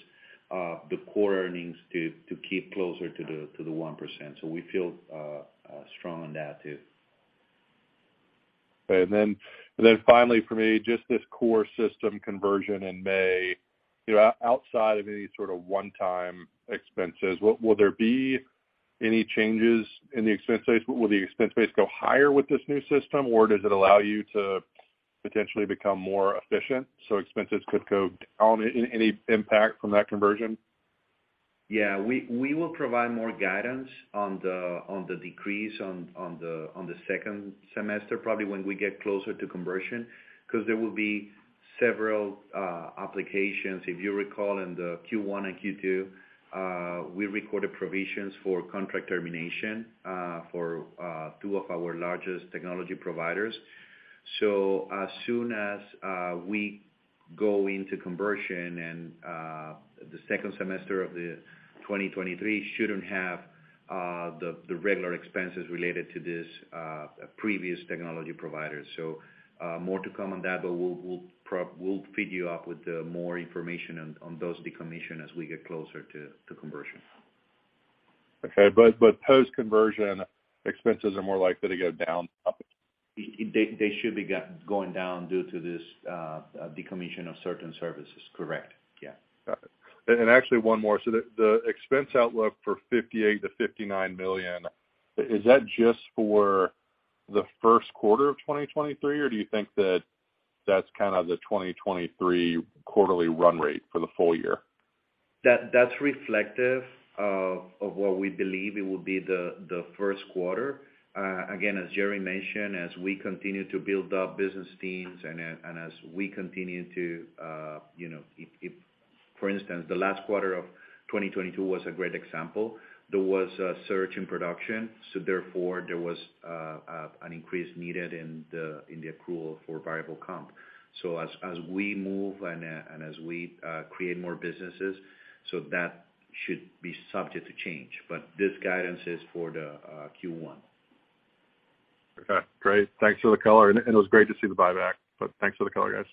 the core earnings to keep closer to the 1%. We feel strong on that too. Okay. Finally for me, just this core system conversion in May. You know, outside of any sort of one-time expenses, will there be any changes in the expense base? Will the expense base go higher with this new system, or does it allow you to potentially become more efficient so expenses could go down? Any impact from that conversion? Yeah. We will provide more guidance on the decrease on the second semester, probably when we get closer to conversion, 'cause there will be several applications. If you recall, in the Q1 and Q2, we recorded provisions for contract termination for two of our largest technology providers. As soon as we go into conversion and the second semester of 2023 shouldn't have the regular expenses related to this previous technology providers. More to come on that, but we'll pick you up with more information on those decommission as we get closer to conversion. Okay. post-conversion expenses are more likely to go down. They should be going down due to this decommission of certain services, correct? Yeah. Got it. Actually one more. The expense outlook for $58 million-$59 million, is that just for the Q1 of 2023, or do you think that that's kind of the 2023 quarterly run rate for the full year? That's reflective of what we believe it will be the Q1. Again, as Jerry mentioned, as we continue to build up business teams and as we continue to, you know... If, for instance, the last quarter of 2022 was a great example. There was a surge in production, so therefore, there was an increase needed in the accrual for variable comp. As we move and as we create more businesses, so that should be subject to change. This guidance is for the Q1. Okay. Great. Thanks for the color. It was great to see the buyback, but thanks for the color, guys.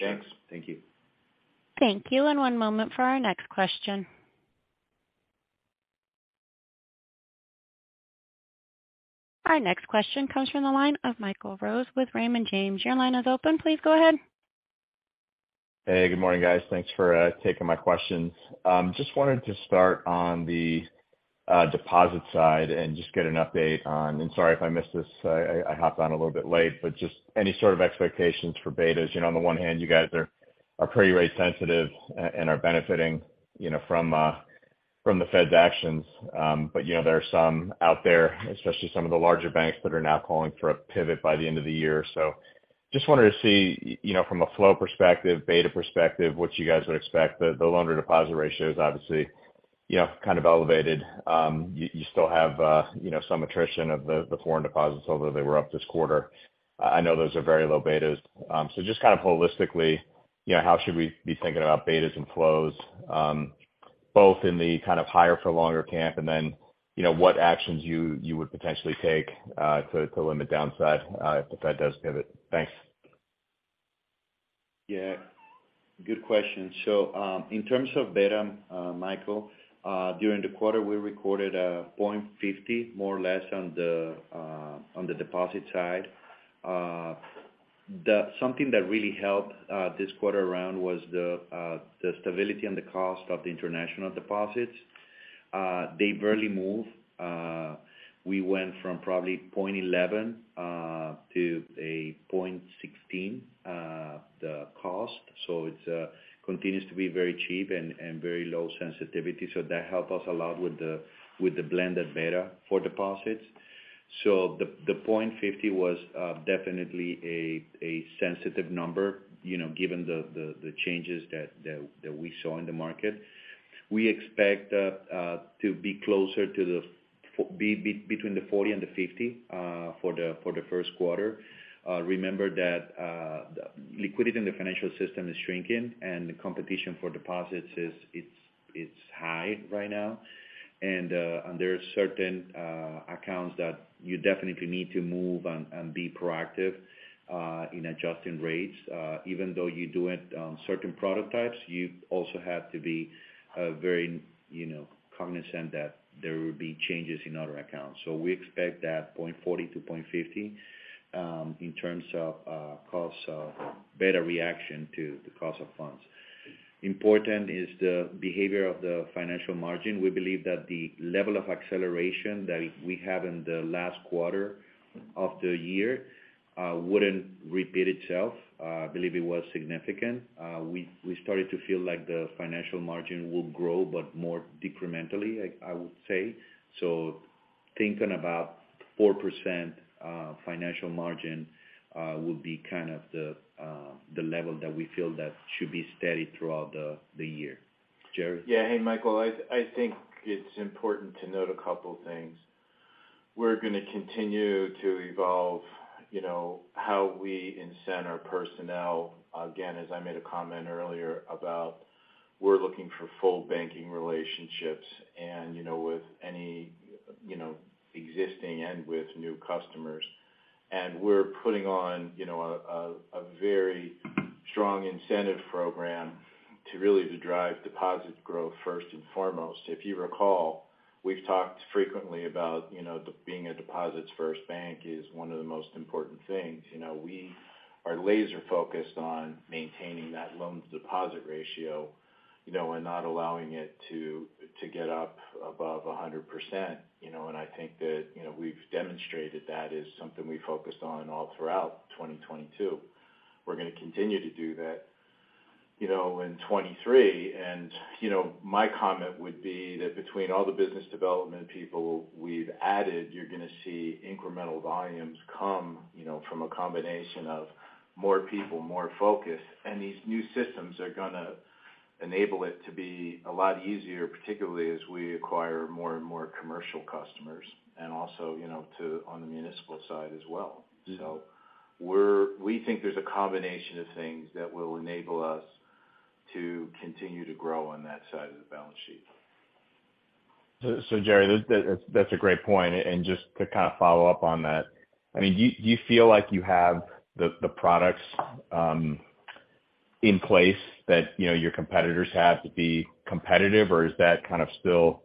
Thanks. Thank you. Thank you. First moment for our next question. Our next question comes from the line of Michael Rose with Raymond James. Your line is open. Please go ahead. Hey, good morning, guys. Thanks for taking my questions. Just wanted to start on the deposit side and just get an update on. Sorry if I missed this. I hopped on a little bit late. Just any sort of expectations for betas. You know, on the one hand, you guys are pretty rate sensitive and are benefiting, you know, from the Fed's actions. You know, there are some out there, especially some of the larger banks that are now calling for a pivot by the end of the year. Just wanted to see, you know, from a flow perspective, beta perspective, what you guys would expect. The loan-to-deposit ratio is obviously, you know, kind of elevated. You still have, you know, some attrition of the foreign deposits, although they were up this quarter. I know those are very low betas. Just kind of holistically, you know, how should we be thinking about betas and flows, both in the kind of higher for longer camp, and then, you know, what actions you would potentially take to limit downside if the Fed does pivot. Thanks. Yeah. Good question. In terms of beta, Michael, during the quarter, we recorded 0.50 more or less on the deposit side. Something that really helped this quarter around was the stability and the cost of the international deposits. They barely move. We went from probably 0.11 to 0.16, the cost. It continues to be very cheap and very low sensitivity, so that help us a lot with the blended beta for deposits. The 0.50 was definitely a sensitive number, you know, given the changes that we saw in the market. We expect to be closer to between 0.40 and 0.50 for the Q1. Remember that liquidity in the financial system is shrinking and the competition for deposits is high right now. There are certain accounts that you definitely need to move and be proactive in adjusting rates. Even though you do it on certain prototypes, you also have to be very, you know, cognizant that there will be changes in other accounts. We expect that 0.40%-0.50% in terms of costs of better reaction to the cost of funds. Important is the behavior of the financial margin. We believe that the level of acceleration that we have in the last quarter of the year wouldn't repeat itself. I believe it was significant. We started to feel like the financial margin will grow, but more incrementally, I would say. Thinking about 4% financial margin, would be kind of the level that we feel that should be steady throughout the year. Jerry? Yeah. Hey, Michael. I think it's important to note a couple things. We're going to continue to evolve, you know, how we incent our personnel. Again, as I made a comment earlier about we're looking for full banking relationships and, you know, with any, you know, existing and with new customers. We're putting on, you know, a very strong incentive program to really to drive deposit growth first and foremost. If you recall, we've talked frequently about, you know, being a deposits-first bank is one of the most important things. You know, we are laser-focused on maintaining that loans to deposit ratio, you know, and not allowing it to get up above 100%, you know. I think that, you know, we've demonstrated that is something we focused on all throughout 2022. We're going to continue to do that, you know, in 2023. My comment would be that between all the business development people we've added, you're gonna see incremental volumes come, you know, from a combination of more people, more focus. These new systems are gonna enable it to be a lot easier, particularly as we acquire more and more commercial customers and also, you know, on the municipal side as well. Mm-hmm. We think there's a combination of things that will enable us to continue to grow on that side of the balance sheet. Jerry, that's a great point. Just to kind of follow up on that, I mean, do you feel like you have the products in place that, you know, your competitors have to be competitive, or is that kind of still,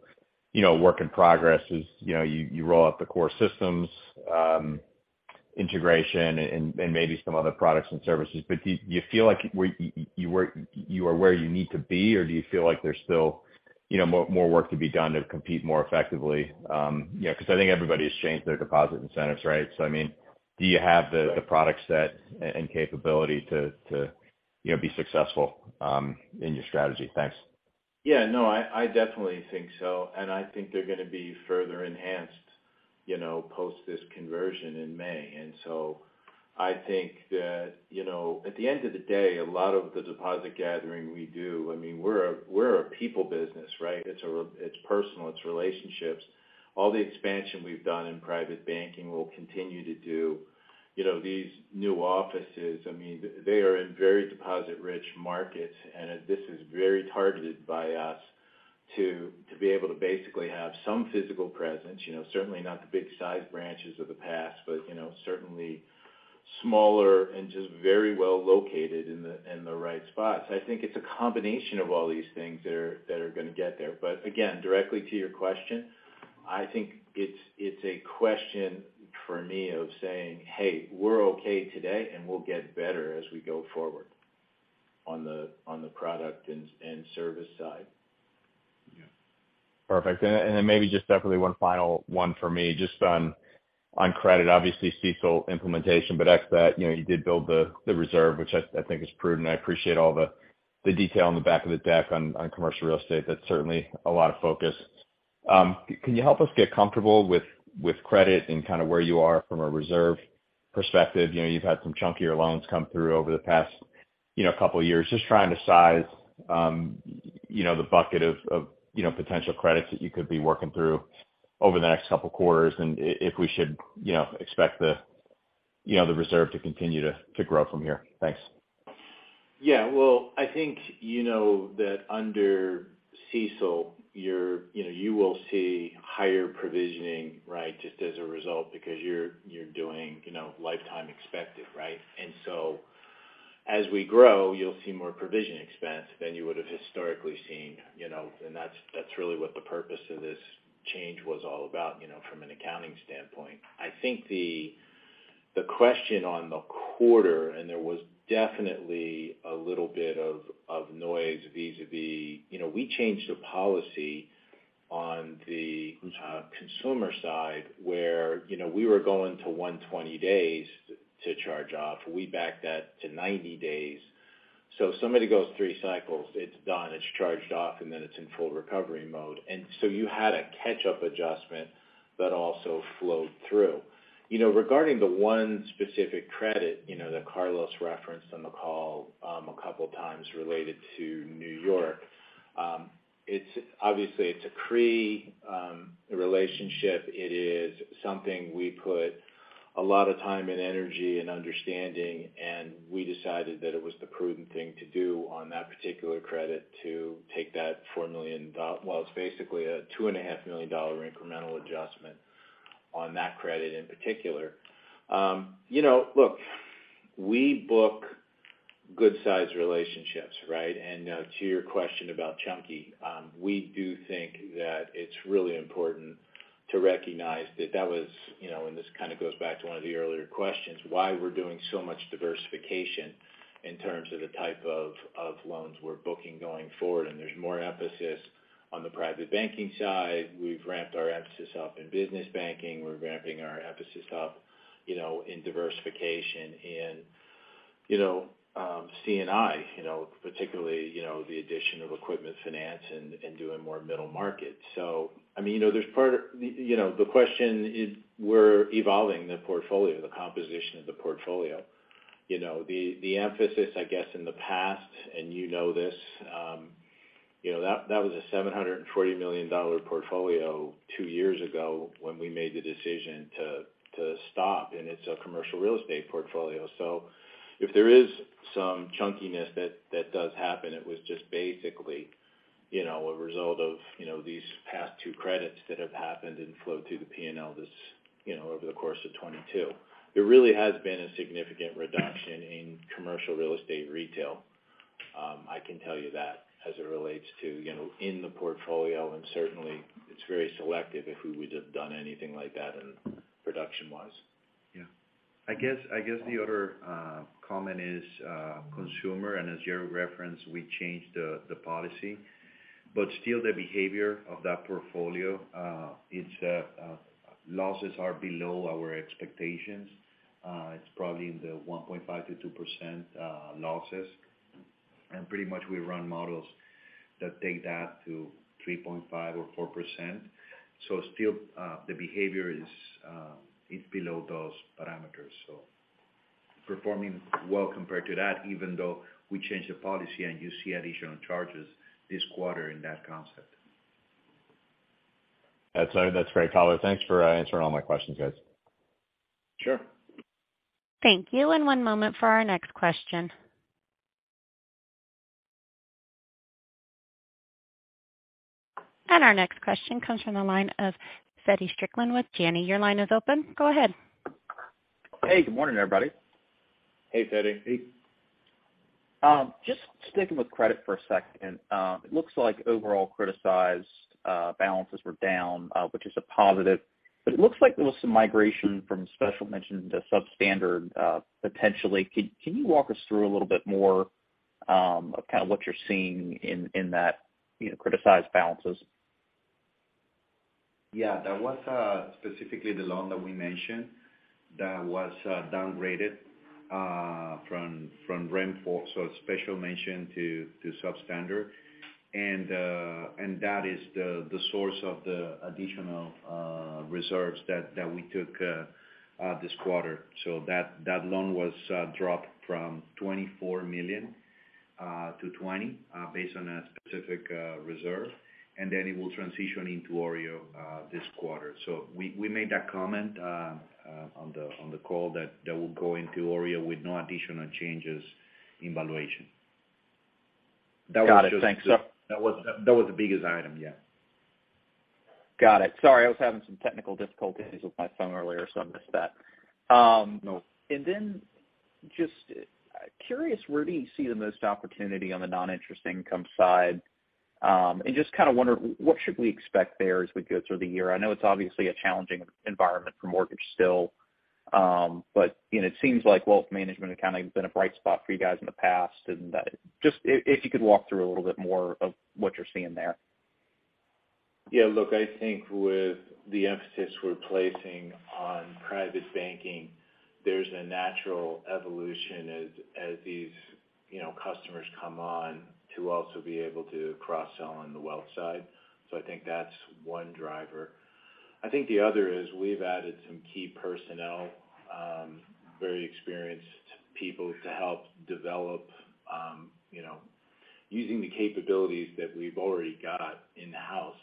you know, a work in progress as, you know, you roll out the core systems, integration and maybe some other products and services? Do you feel like where you are where you need to be, or do you feel like there's still, you know, more work to be done to compete more effectively? You know, because I think everybody has changed their deposit incentives, right? I mean, do you have the product set and capability to, you know, be successful in your strategy? Thanks. Yeah. No, I definitely think so. I think they're gonna be further enhanced, you know, post this conversion in May. I think that, you know, at the end of the day, a lot of the deposit gathering we do, I mean, we're a people business, right? It's personal, it's relationships. All the expansion we've done in private banking, we'll continue to do. You know, these new offices, I mean, they are in very deposit-rich markets, and this is very targeted by us to be able to basically have some physical presence. You know, certainly not the big size branches of the past, but, you know, certainly smaller and just very well located in the right spots. I think it's a combination of all these things that are gonna get there. Again, directly to your question, I think it's a question for me of saying, "Hey, we're okay today, and we'll get better as we go forward on the product and service side. Yeah. Perfect. And then maybe just definitely one final one for me just on credit, obviously CECL implementation. Ex that, you know, you did build the reserve, which I think is prudent. I appreciate all the detail on the back of the deck on commercial real estate. That's certainly a lot of focus. Can you help us get comfortable with credit and kind of where you are from a reserve perspective? You know, you've had some chunkier loans come through over the past, you know, couple years. Just trying to size, you know, the bucket of, you know, potential credits that you could be working through over the next couple quarters, and if we should, you know, expect the, you know, reserve to continue to grow from here. Thanks. Yeah. Well, I think you know that under CECL, you know, you will see higher provisioning, right, just as a result because you're doing, you know, lifetime expected, right? So as we grow, you'll see more provision expense than you would have historically seen, you know, and that's really what the purpose of this change was all about, you know, from an accounting standpoint. I think the question on the quarter, and there was definitely a little bit of noise vis-a-vis, you know, we changed a policy on the- Mm-hmm ...consumer side, where, you know, we were going to 120 days to charge off. We backed that to 90 days. If somebody goes three cycles, it's done, it's charged off, and then it's in full recovery mode. You had a catch-up adjustment that also flowed through. You know, regarding the one specific credit, you know, that Carlos referenced on the call, a couple times related to New York, obviously it's a CRE relationship. It is something we put a lot of time and energy and understanding, and we decided that it was the prudent thing to do on that particular credit to take that $4 million, Well, it's basically a $2.5 million incremental adjustment on that credit in particular. You know, look, we book good size relationships, right? Now to your question about chunky, we do think that it's really important to recognize that that was, you know, and this kind of goes back to one of the earlier questions, why we're doing so much diversification in terms of the type of loans we're booking going forward. There's more emphasis on the private banking side. We've ramped our emphasis up in business banking. We're ramping our emphasis up, you know, in diversification in, you know, C&I, you know, particularly, you know, the addition of equipment finance and doing more middle market. I mean, you know, the question is we're evolving the portfolio, the composition of the portfolio. You know, the emphasis, I guess, in the past, and you know this, you know, that was a $740 million portfolio two years ago when we made the decision to stop, and it's a commercial real estate portfolio. If there is some chunkiness that does happen, it was just basically, you know, a result of, you know, these past two credits that have happened and flowed through the P&L this, you know, over the course of 2022. There really has been a significant reduction in commercial real estate retail. I can tell you that as it relates to, you know, in the portfolio, and certainly it's very selective if we would have done anything like that and production-wise. Yeah. I guess the other comment is consumer, and as you referenced, we changed the policy. Still the behavior of that portfolio, its losses are below our expectations. It's probably in the 1.5%-2% losses. Pretty much we run models that take that to 3.5% or 4%. Still, the behavior is below those parameters. Performing well compared to that, even though we changed the policy and you see additional charges this quarter in that concept. That's all. That's great, caller. Thanks for answering all my questions, guys. Sure. Thank you. One moment for our next question. Our next question comes from the line of Feddie Strickland with Janney. Your line is open. Go ahead. Hey, good morning, everybody. Hey, Feddie. Hey. Just sticking with credit for a second. It looks like overall criticized balances were down, which is a positive. It looks like there was some migration from special mention to substandard, potentially. Can you walk us through a little bit more of kind of what you're seeing in that, you know, criticized balances? Yeah. That was specifically the loan that we mentioned that was downgraded from pass fail, so special mention to substandard. That is the source of the additional reserves that we took this quarter. That loan was dropped from $24 million to $20 million based on a specific reserve, and then it will transition into OREO this quarter. We made that comment on the call that will go into OREO with no additional changes in valuation. Got it. Thanks. That was the biggest item, yeah. Got it. Sorry, I was having some technical difficulties with my phone earlier, so I missed that. Just curious, where do you see the most opportunity on the non-interest income side? Just kind of wonder what should we expect there as we go through the year? I know it's obviously a challenging environment for mortgage still. You know, it seems like wealth management has kind of been a bright spot for you guys in the past. Just if you could walk through a little bit more of what you're seeing there. Look, I think with the emphasis we're placing on private banking, there's a natural evolution as these, you know, customers come on to also be able to cross-sell on the wealth side. I think that's one driver. I think the other is we've added some key personnel, very experienced people to help develop, you know, using the capabilities that we've already got in-house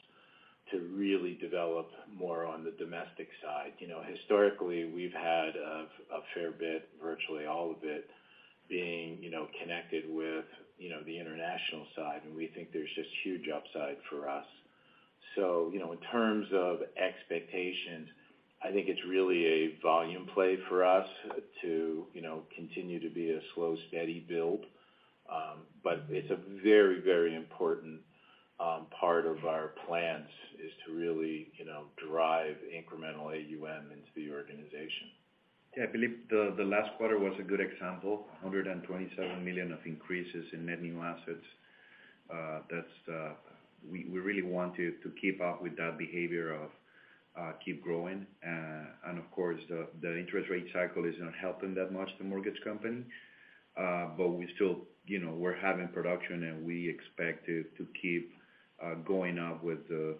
to really develop more on the domestic side. You know, historically, we've had a fair bit, virtually all of it being, you know, connected with, you know, the international side, and we think there's just huge upside for us. In terms of expectations, I think it's really a volume play for us to, you know, continue to be a slow, steady build. It's a very, very important part of our plans is to really, you know, drive incremental AUM into the organization. Yeah. I believe the last quarter was a good example, $127 million of increases in net new assets. We really want to keep up with that behavior of keep growing. Of course, the interest rate cycle is not helping that much the mortgage company. We still, you know, we're having production and we expect it to keep going up with the,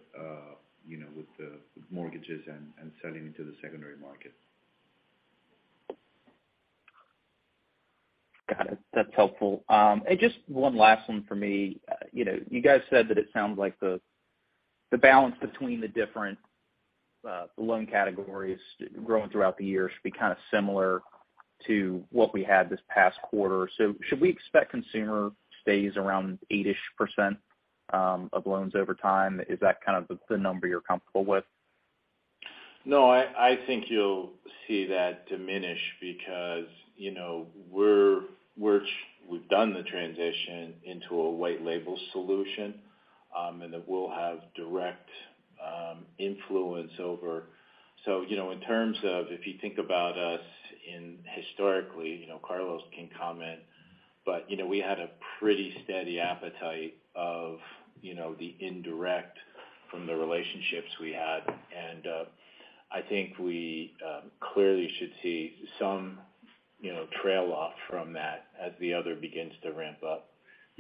you know, with the mortgages and selling into the secondary market. Got it. That's helpful. Just one last one for me. You know, you guys said that it sounds like the balance between the different loan categories growing throughout the year should be kind of similar to what we had this past quarter. Should we expect consumer stays around 8-ish% of loans over time? Is that kind of the number you're comfortable with? No, I think you'll see that diminish because, you know, we've done the transition into a white label solution, and that we'll have direct influence over. You know, in terms of if you think about us in historically, you know, Carlos can comment, but, you know, we had a pretty steady appetite of, you know, the indirect from the relationships we had. I think we clearly should see some, you know, trail off from that as the other begins to ramp up.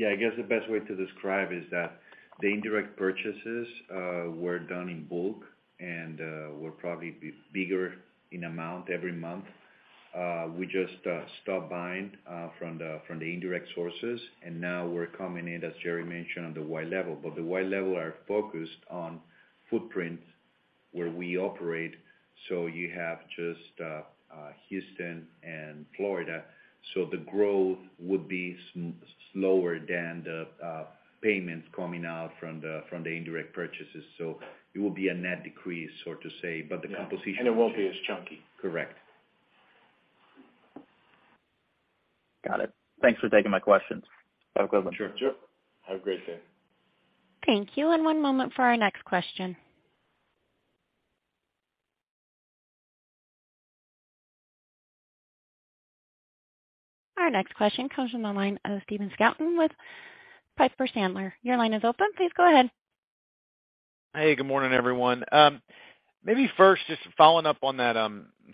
I guess the best way to describe is that the indirect purchases were done in bulk and were probably bigger in amount every month. We just stopped buying from the indirect sources, and now we're coming in, as Jerry mentioned, on the white label. The white label are focused on footprints where we operate. You have just Houston and Florida. The growth would be slower than the payments coming out from the indirect purchases. It will be a net decrease, so to say. The composition- Yeah. It won't be as chunky. Correct. Got it. Thanks for taking my questions. Of course. Sure. Sure. Have a great day. Thank you. One moment for our next question. Our next question comes from the line of Stephen Scouten with Piper Sandler. Your line is open. Please go ahead. Hey, good morning, everyone. Maybe first just following up on that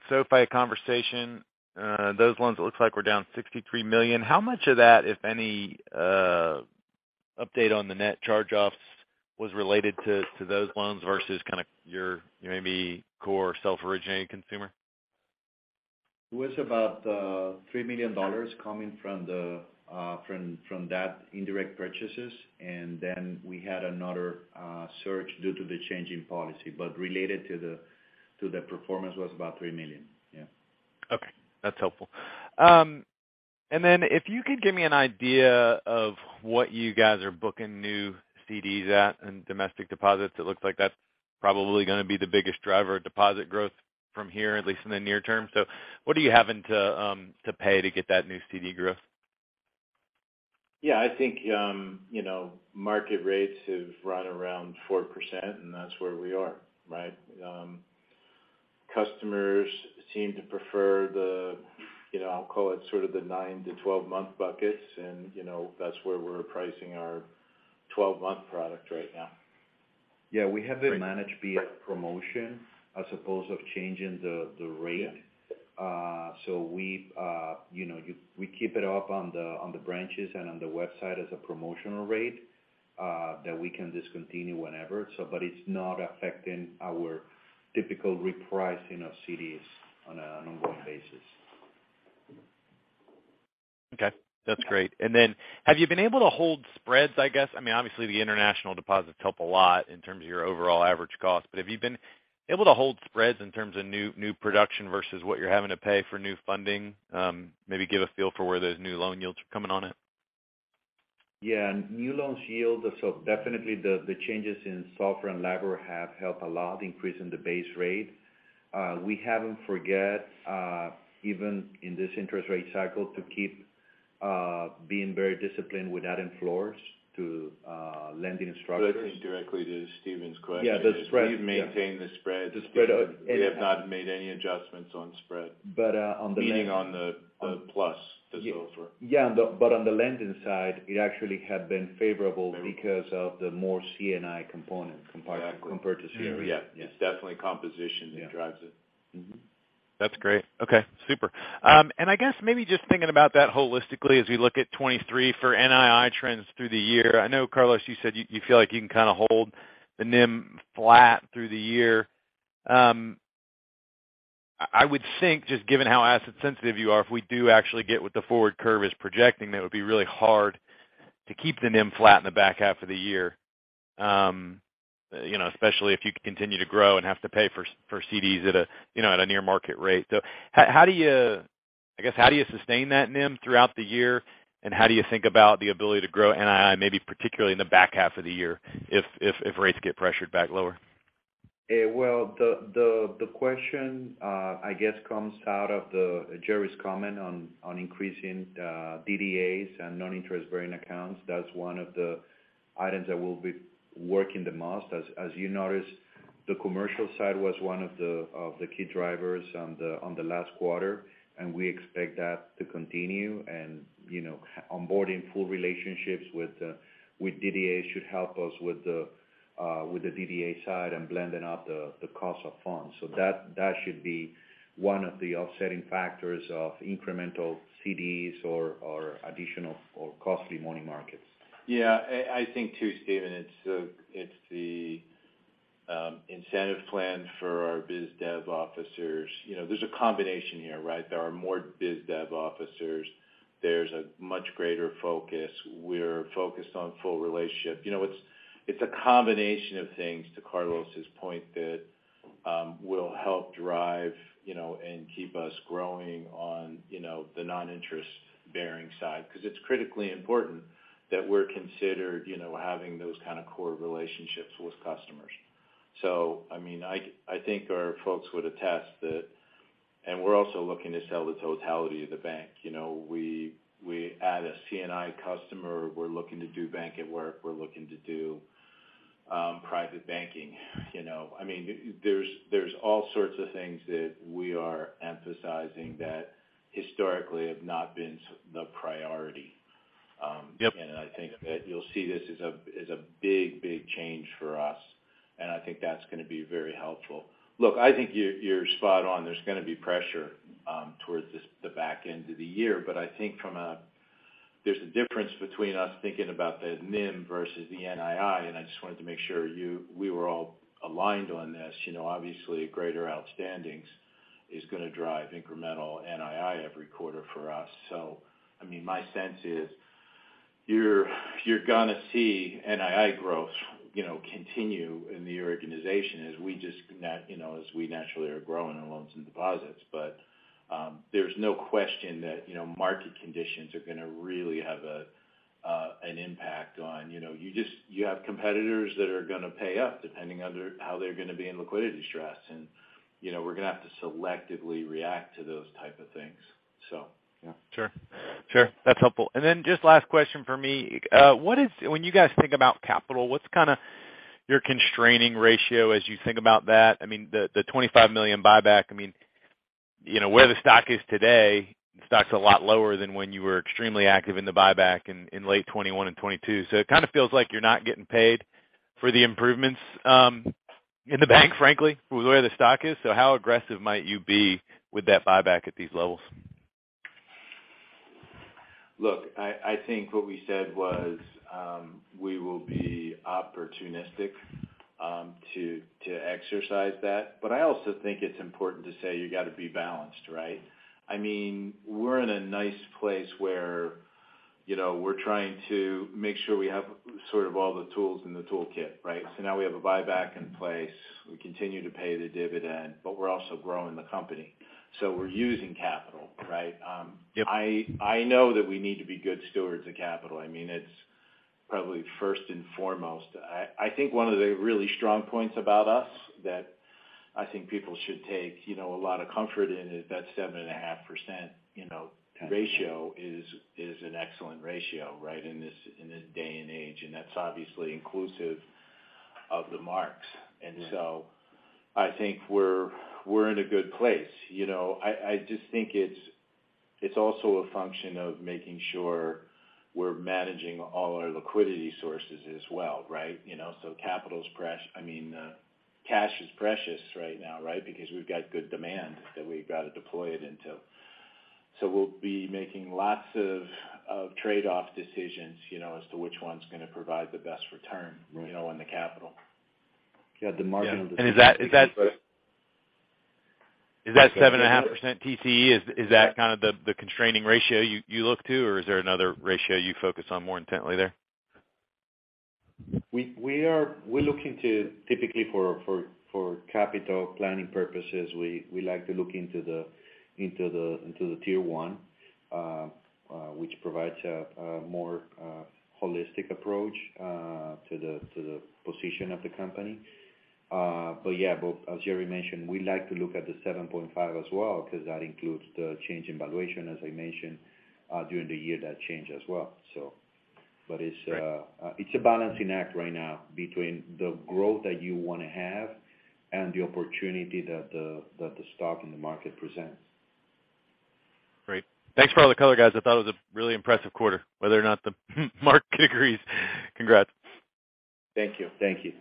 SoFi conversation. Those loans looks like we're down $63 million. How much of that, if any, update on the net charge-offs was related to those loans versus kind of your maybe core self-originating consumer? It was about $3 million coming from that indirect purchases. We had another search due to the change in policy, but related to the performance was about $3 million. Yeah. That's helpful. If you could give me an idea of what you guys are booking new CDs at and domestic deposits, it looks like that's probably gonna be the biggest driver of deposit growth from here, at least in the near term. What are you having to pay to get that new CD growth? Yeah, I think, you know, market rates have run around 4%, and that's where we are, right? Customers seem to prefer the, you know, I'll call it sort of the nine to 12 month buckets and, you know, that's where we're pricing our 12 month product right now. Yeah, we have it managed via promotion as opposed of changing the rate. We've, you know, we keep it up on the branches and on the website as a promotional rate, that we can discontinue whenever. But it's not affecting our typical repricing of CDs on an ongoing basis. Okay, that's great. Have you been able to hold spreads, I guess? I mean, obviously the international deposits help a lot in terms of your overall average cost. Have you been able to hold spreads in terms of new production versus what you're having to pay for new funding? Maybe give a feel for where those new loan yields are coming on it. Yeah, new loans yield. Definitely the changes in SOFR and LIBOR have helped a lot increasing the base rate. We haven't forget, even in this interest rate cycle, to keep being very disciplined with adding floors to lending structures. I think directly to Stephen's question... Yeah, the spread. Yeah. We've maintained the spread. The spread. We have not made any adjustments on spread. But, uh, on the- Meaning on the plus, the SOFR. Yeah. On the lending side, it actually had been favorable because of the more C&I component compared... Exactly. Compared to C.R. Yeah. It's definitely composition that drives it. Mm-hmm. That's great. Okay, super. I guess maybe just thinking about that holistically as we look at 2023 for NII trends through the year. I know, Carlos, you said you feel like you can kind of hold the NIM flat through the year. I would think just given how asset sensitive you are, if we do actually get what the forward curve is projecting, that would be really hard to keep the NIM flat in the back half of the year. You know, especially if you continue to grow and have to pay for CDs at a, you know, at a near market rate. How do you I guess how do you sustain that NIM throughout the year, and how do you think about the ability to grow NII, maybe particularly in the back half of the year, if rates get pressured back lower? Well, the question, I guess comes out of Jerry's comment on increasing DDAs and non-interest-bearing accounts. That's one of the items that we'll be working the most. As you noticed, the commercial side was one of the key drivers on the last quarter, and we expect that to continue. You know, onboarding full relationships with DDAs should help us with the DDA side and blending out the cost of funds. That should be one of the offsetting factors of incremental CDs or additional or costly money markets. Yeah. I think too, Stephen, it's the incentive plan for our biz dev officers. You know, there's a combination here, right? There are more biz dev officers. There's a much greater focus. We're focused on full relationship. You know, it's a combination of things to Carlos's point that will help drive, you know, and keep us growing on, you know, the non-interest bearing side. Because it's critically important that we're considered, you know, having those Relationships with customers. I mean, I think our folks would attest that. We're also looking to sell the totality of the bank. You know, we add a C&I customer, we're looking to do Bank at Work, we're looking to do private banking. You know, I mean, there's all sorts of things that we are emphasizing that historically have not been the priority. Yep. I think that you'll see this as a big change for us, and I think that's gonna be very helpful. Look, I think you're spot on. There's gonna be pressure towards this, the back end of the year. I think There's a difference between us thinking about the NIM versus the NII, and I just wanted to make sure we were all aligned on this. You know, obviously, greater outstandings is gonna drive incremental NII every quarter for us. I mean, my sense is you're gonna see NII growth, you know, continue in the organization as we just you know, as we naturally are growing in loans and deposits. There's no question that, you know, market conditions are gonna really have an impact on... You know, you have competitors that are gonna pay up depending on how they're gonna be in liquidity stress. You know, we're gonna have to selectively react to those type of things. Yeah. Sure. Sure. That's helpful. Just last question from me. When you guys think about capital, what's kind of your constraining ratio as you think about that? I mean, the $25 million buyback. I mean, you know, where the stock is today, the stock's a lot lower than when you were extremely active in the buyback in late 2021 and 2022. It kind of feels like you're not getting paid for the improvements in the bank, frankly, with where the stock is. How aggressive might you be with that buyback at these levels? Look, I think what we said was, we will be opportunistic, to exercise that. I also think it's important to say you gotta be balanced, right? I mean, we're in a nice place where, you know, we're trying to make sure we have sort of all the tools in the toolkit, right? Now we have a buyback in place. We continue to pay the dividend, but we're also growing the company. We're using capital, right? Yep. I know that we need to be good stewards of capital. I mean, it's probably first and foremost. I think one of the really strong points about us that I think people should take, you know, a lot of comfort in is that 7.5%, you know, ratio is an excellent ratio, right? In this, in this day and age. That's obviously inclusive of the marks. Yeah. I think we're in a good place. You know, I just think it's also a function of making sure we're managing all our liquidity sources as well, right? You know, I mean, cash is precious right now, right? Because we've got good demand that we've got to deploy it into. We'll be making lots of trade-off decisions, you know, as to which one's gonna provide the best return- Right. You know, on the capital. Yeah. Is that 7.5% TCE? Is that kind of the constraining ratio you look to, or is there another ratio you focus on more intently there? We're looking to Typically for capital planning purposes, we like to look into the tier one which provides a more holistic approach to the position of the company. Yeah. As Jerry mentioned, we like to look at the 7.5 as well, 'cause that includes the change in valuation, as I mentioned, during the year that changed as well so. It's a balancing act right now between the growth that you wanna have and the opportunity that the stock and the market presents. Great. Thanks for all the color, guys. I thought it was a really impressive quarter, whether or not the market agrees. Congrats. Thank you. Thank you.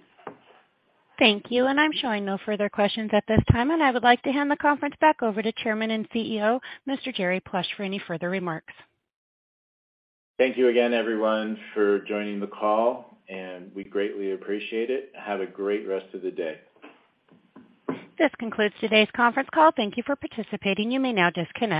Thank you. I'm showing no further questions at this time, and I would like to hand the conference back over to Chairman and CEO, Mr. Jerry Plush, for any further remarks. Thank you again, everyone, for joining the call, and we greatly appreciate it. Have a great rest of the day. This concludes today's conference call. Thank you for participating. You may now disconnect.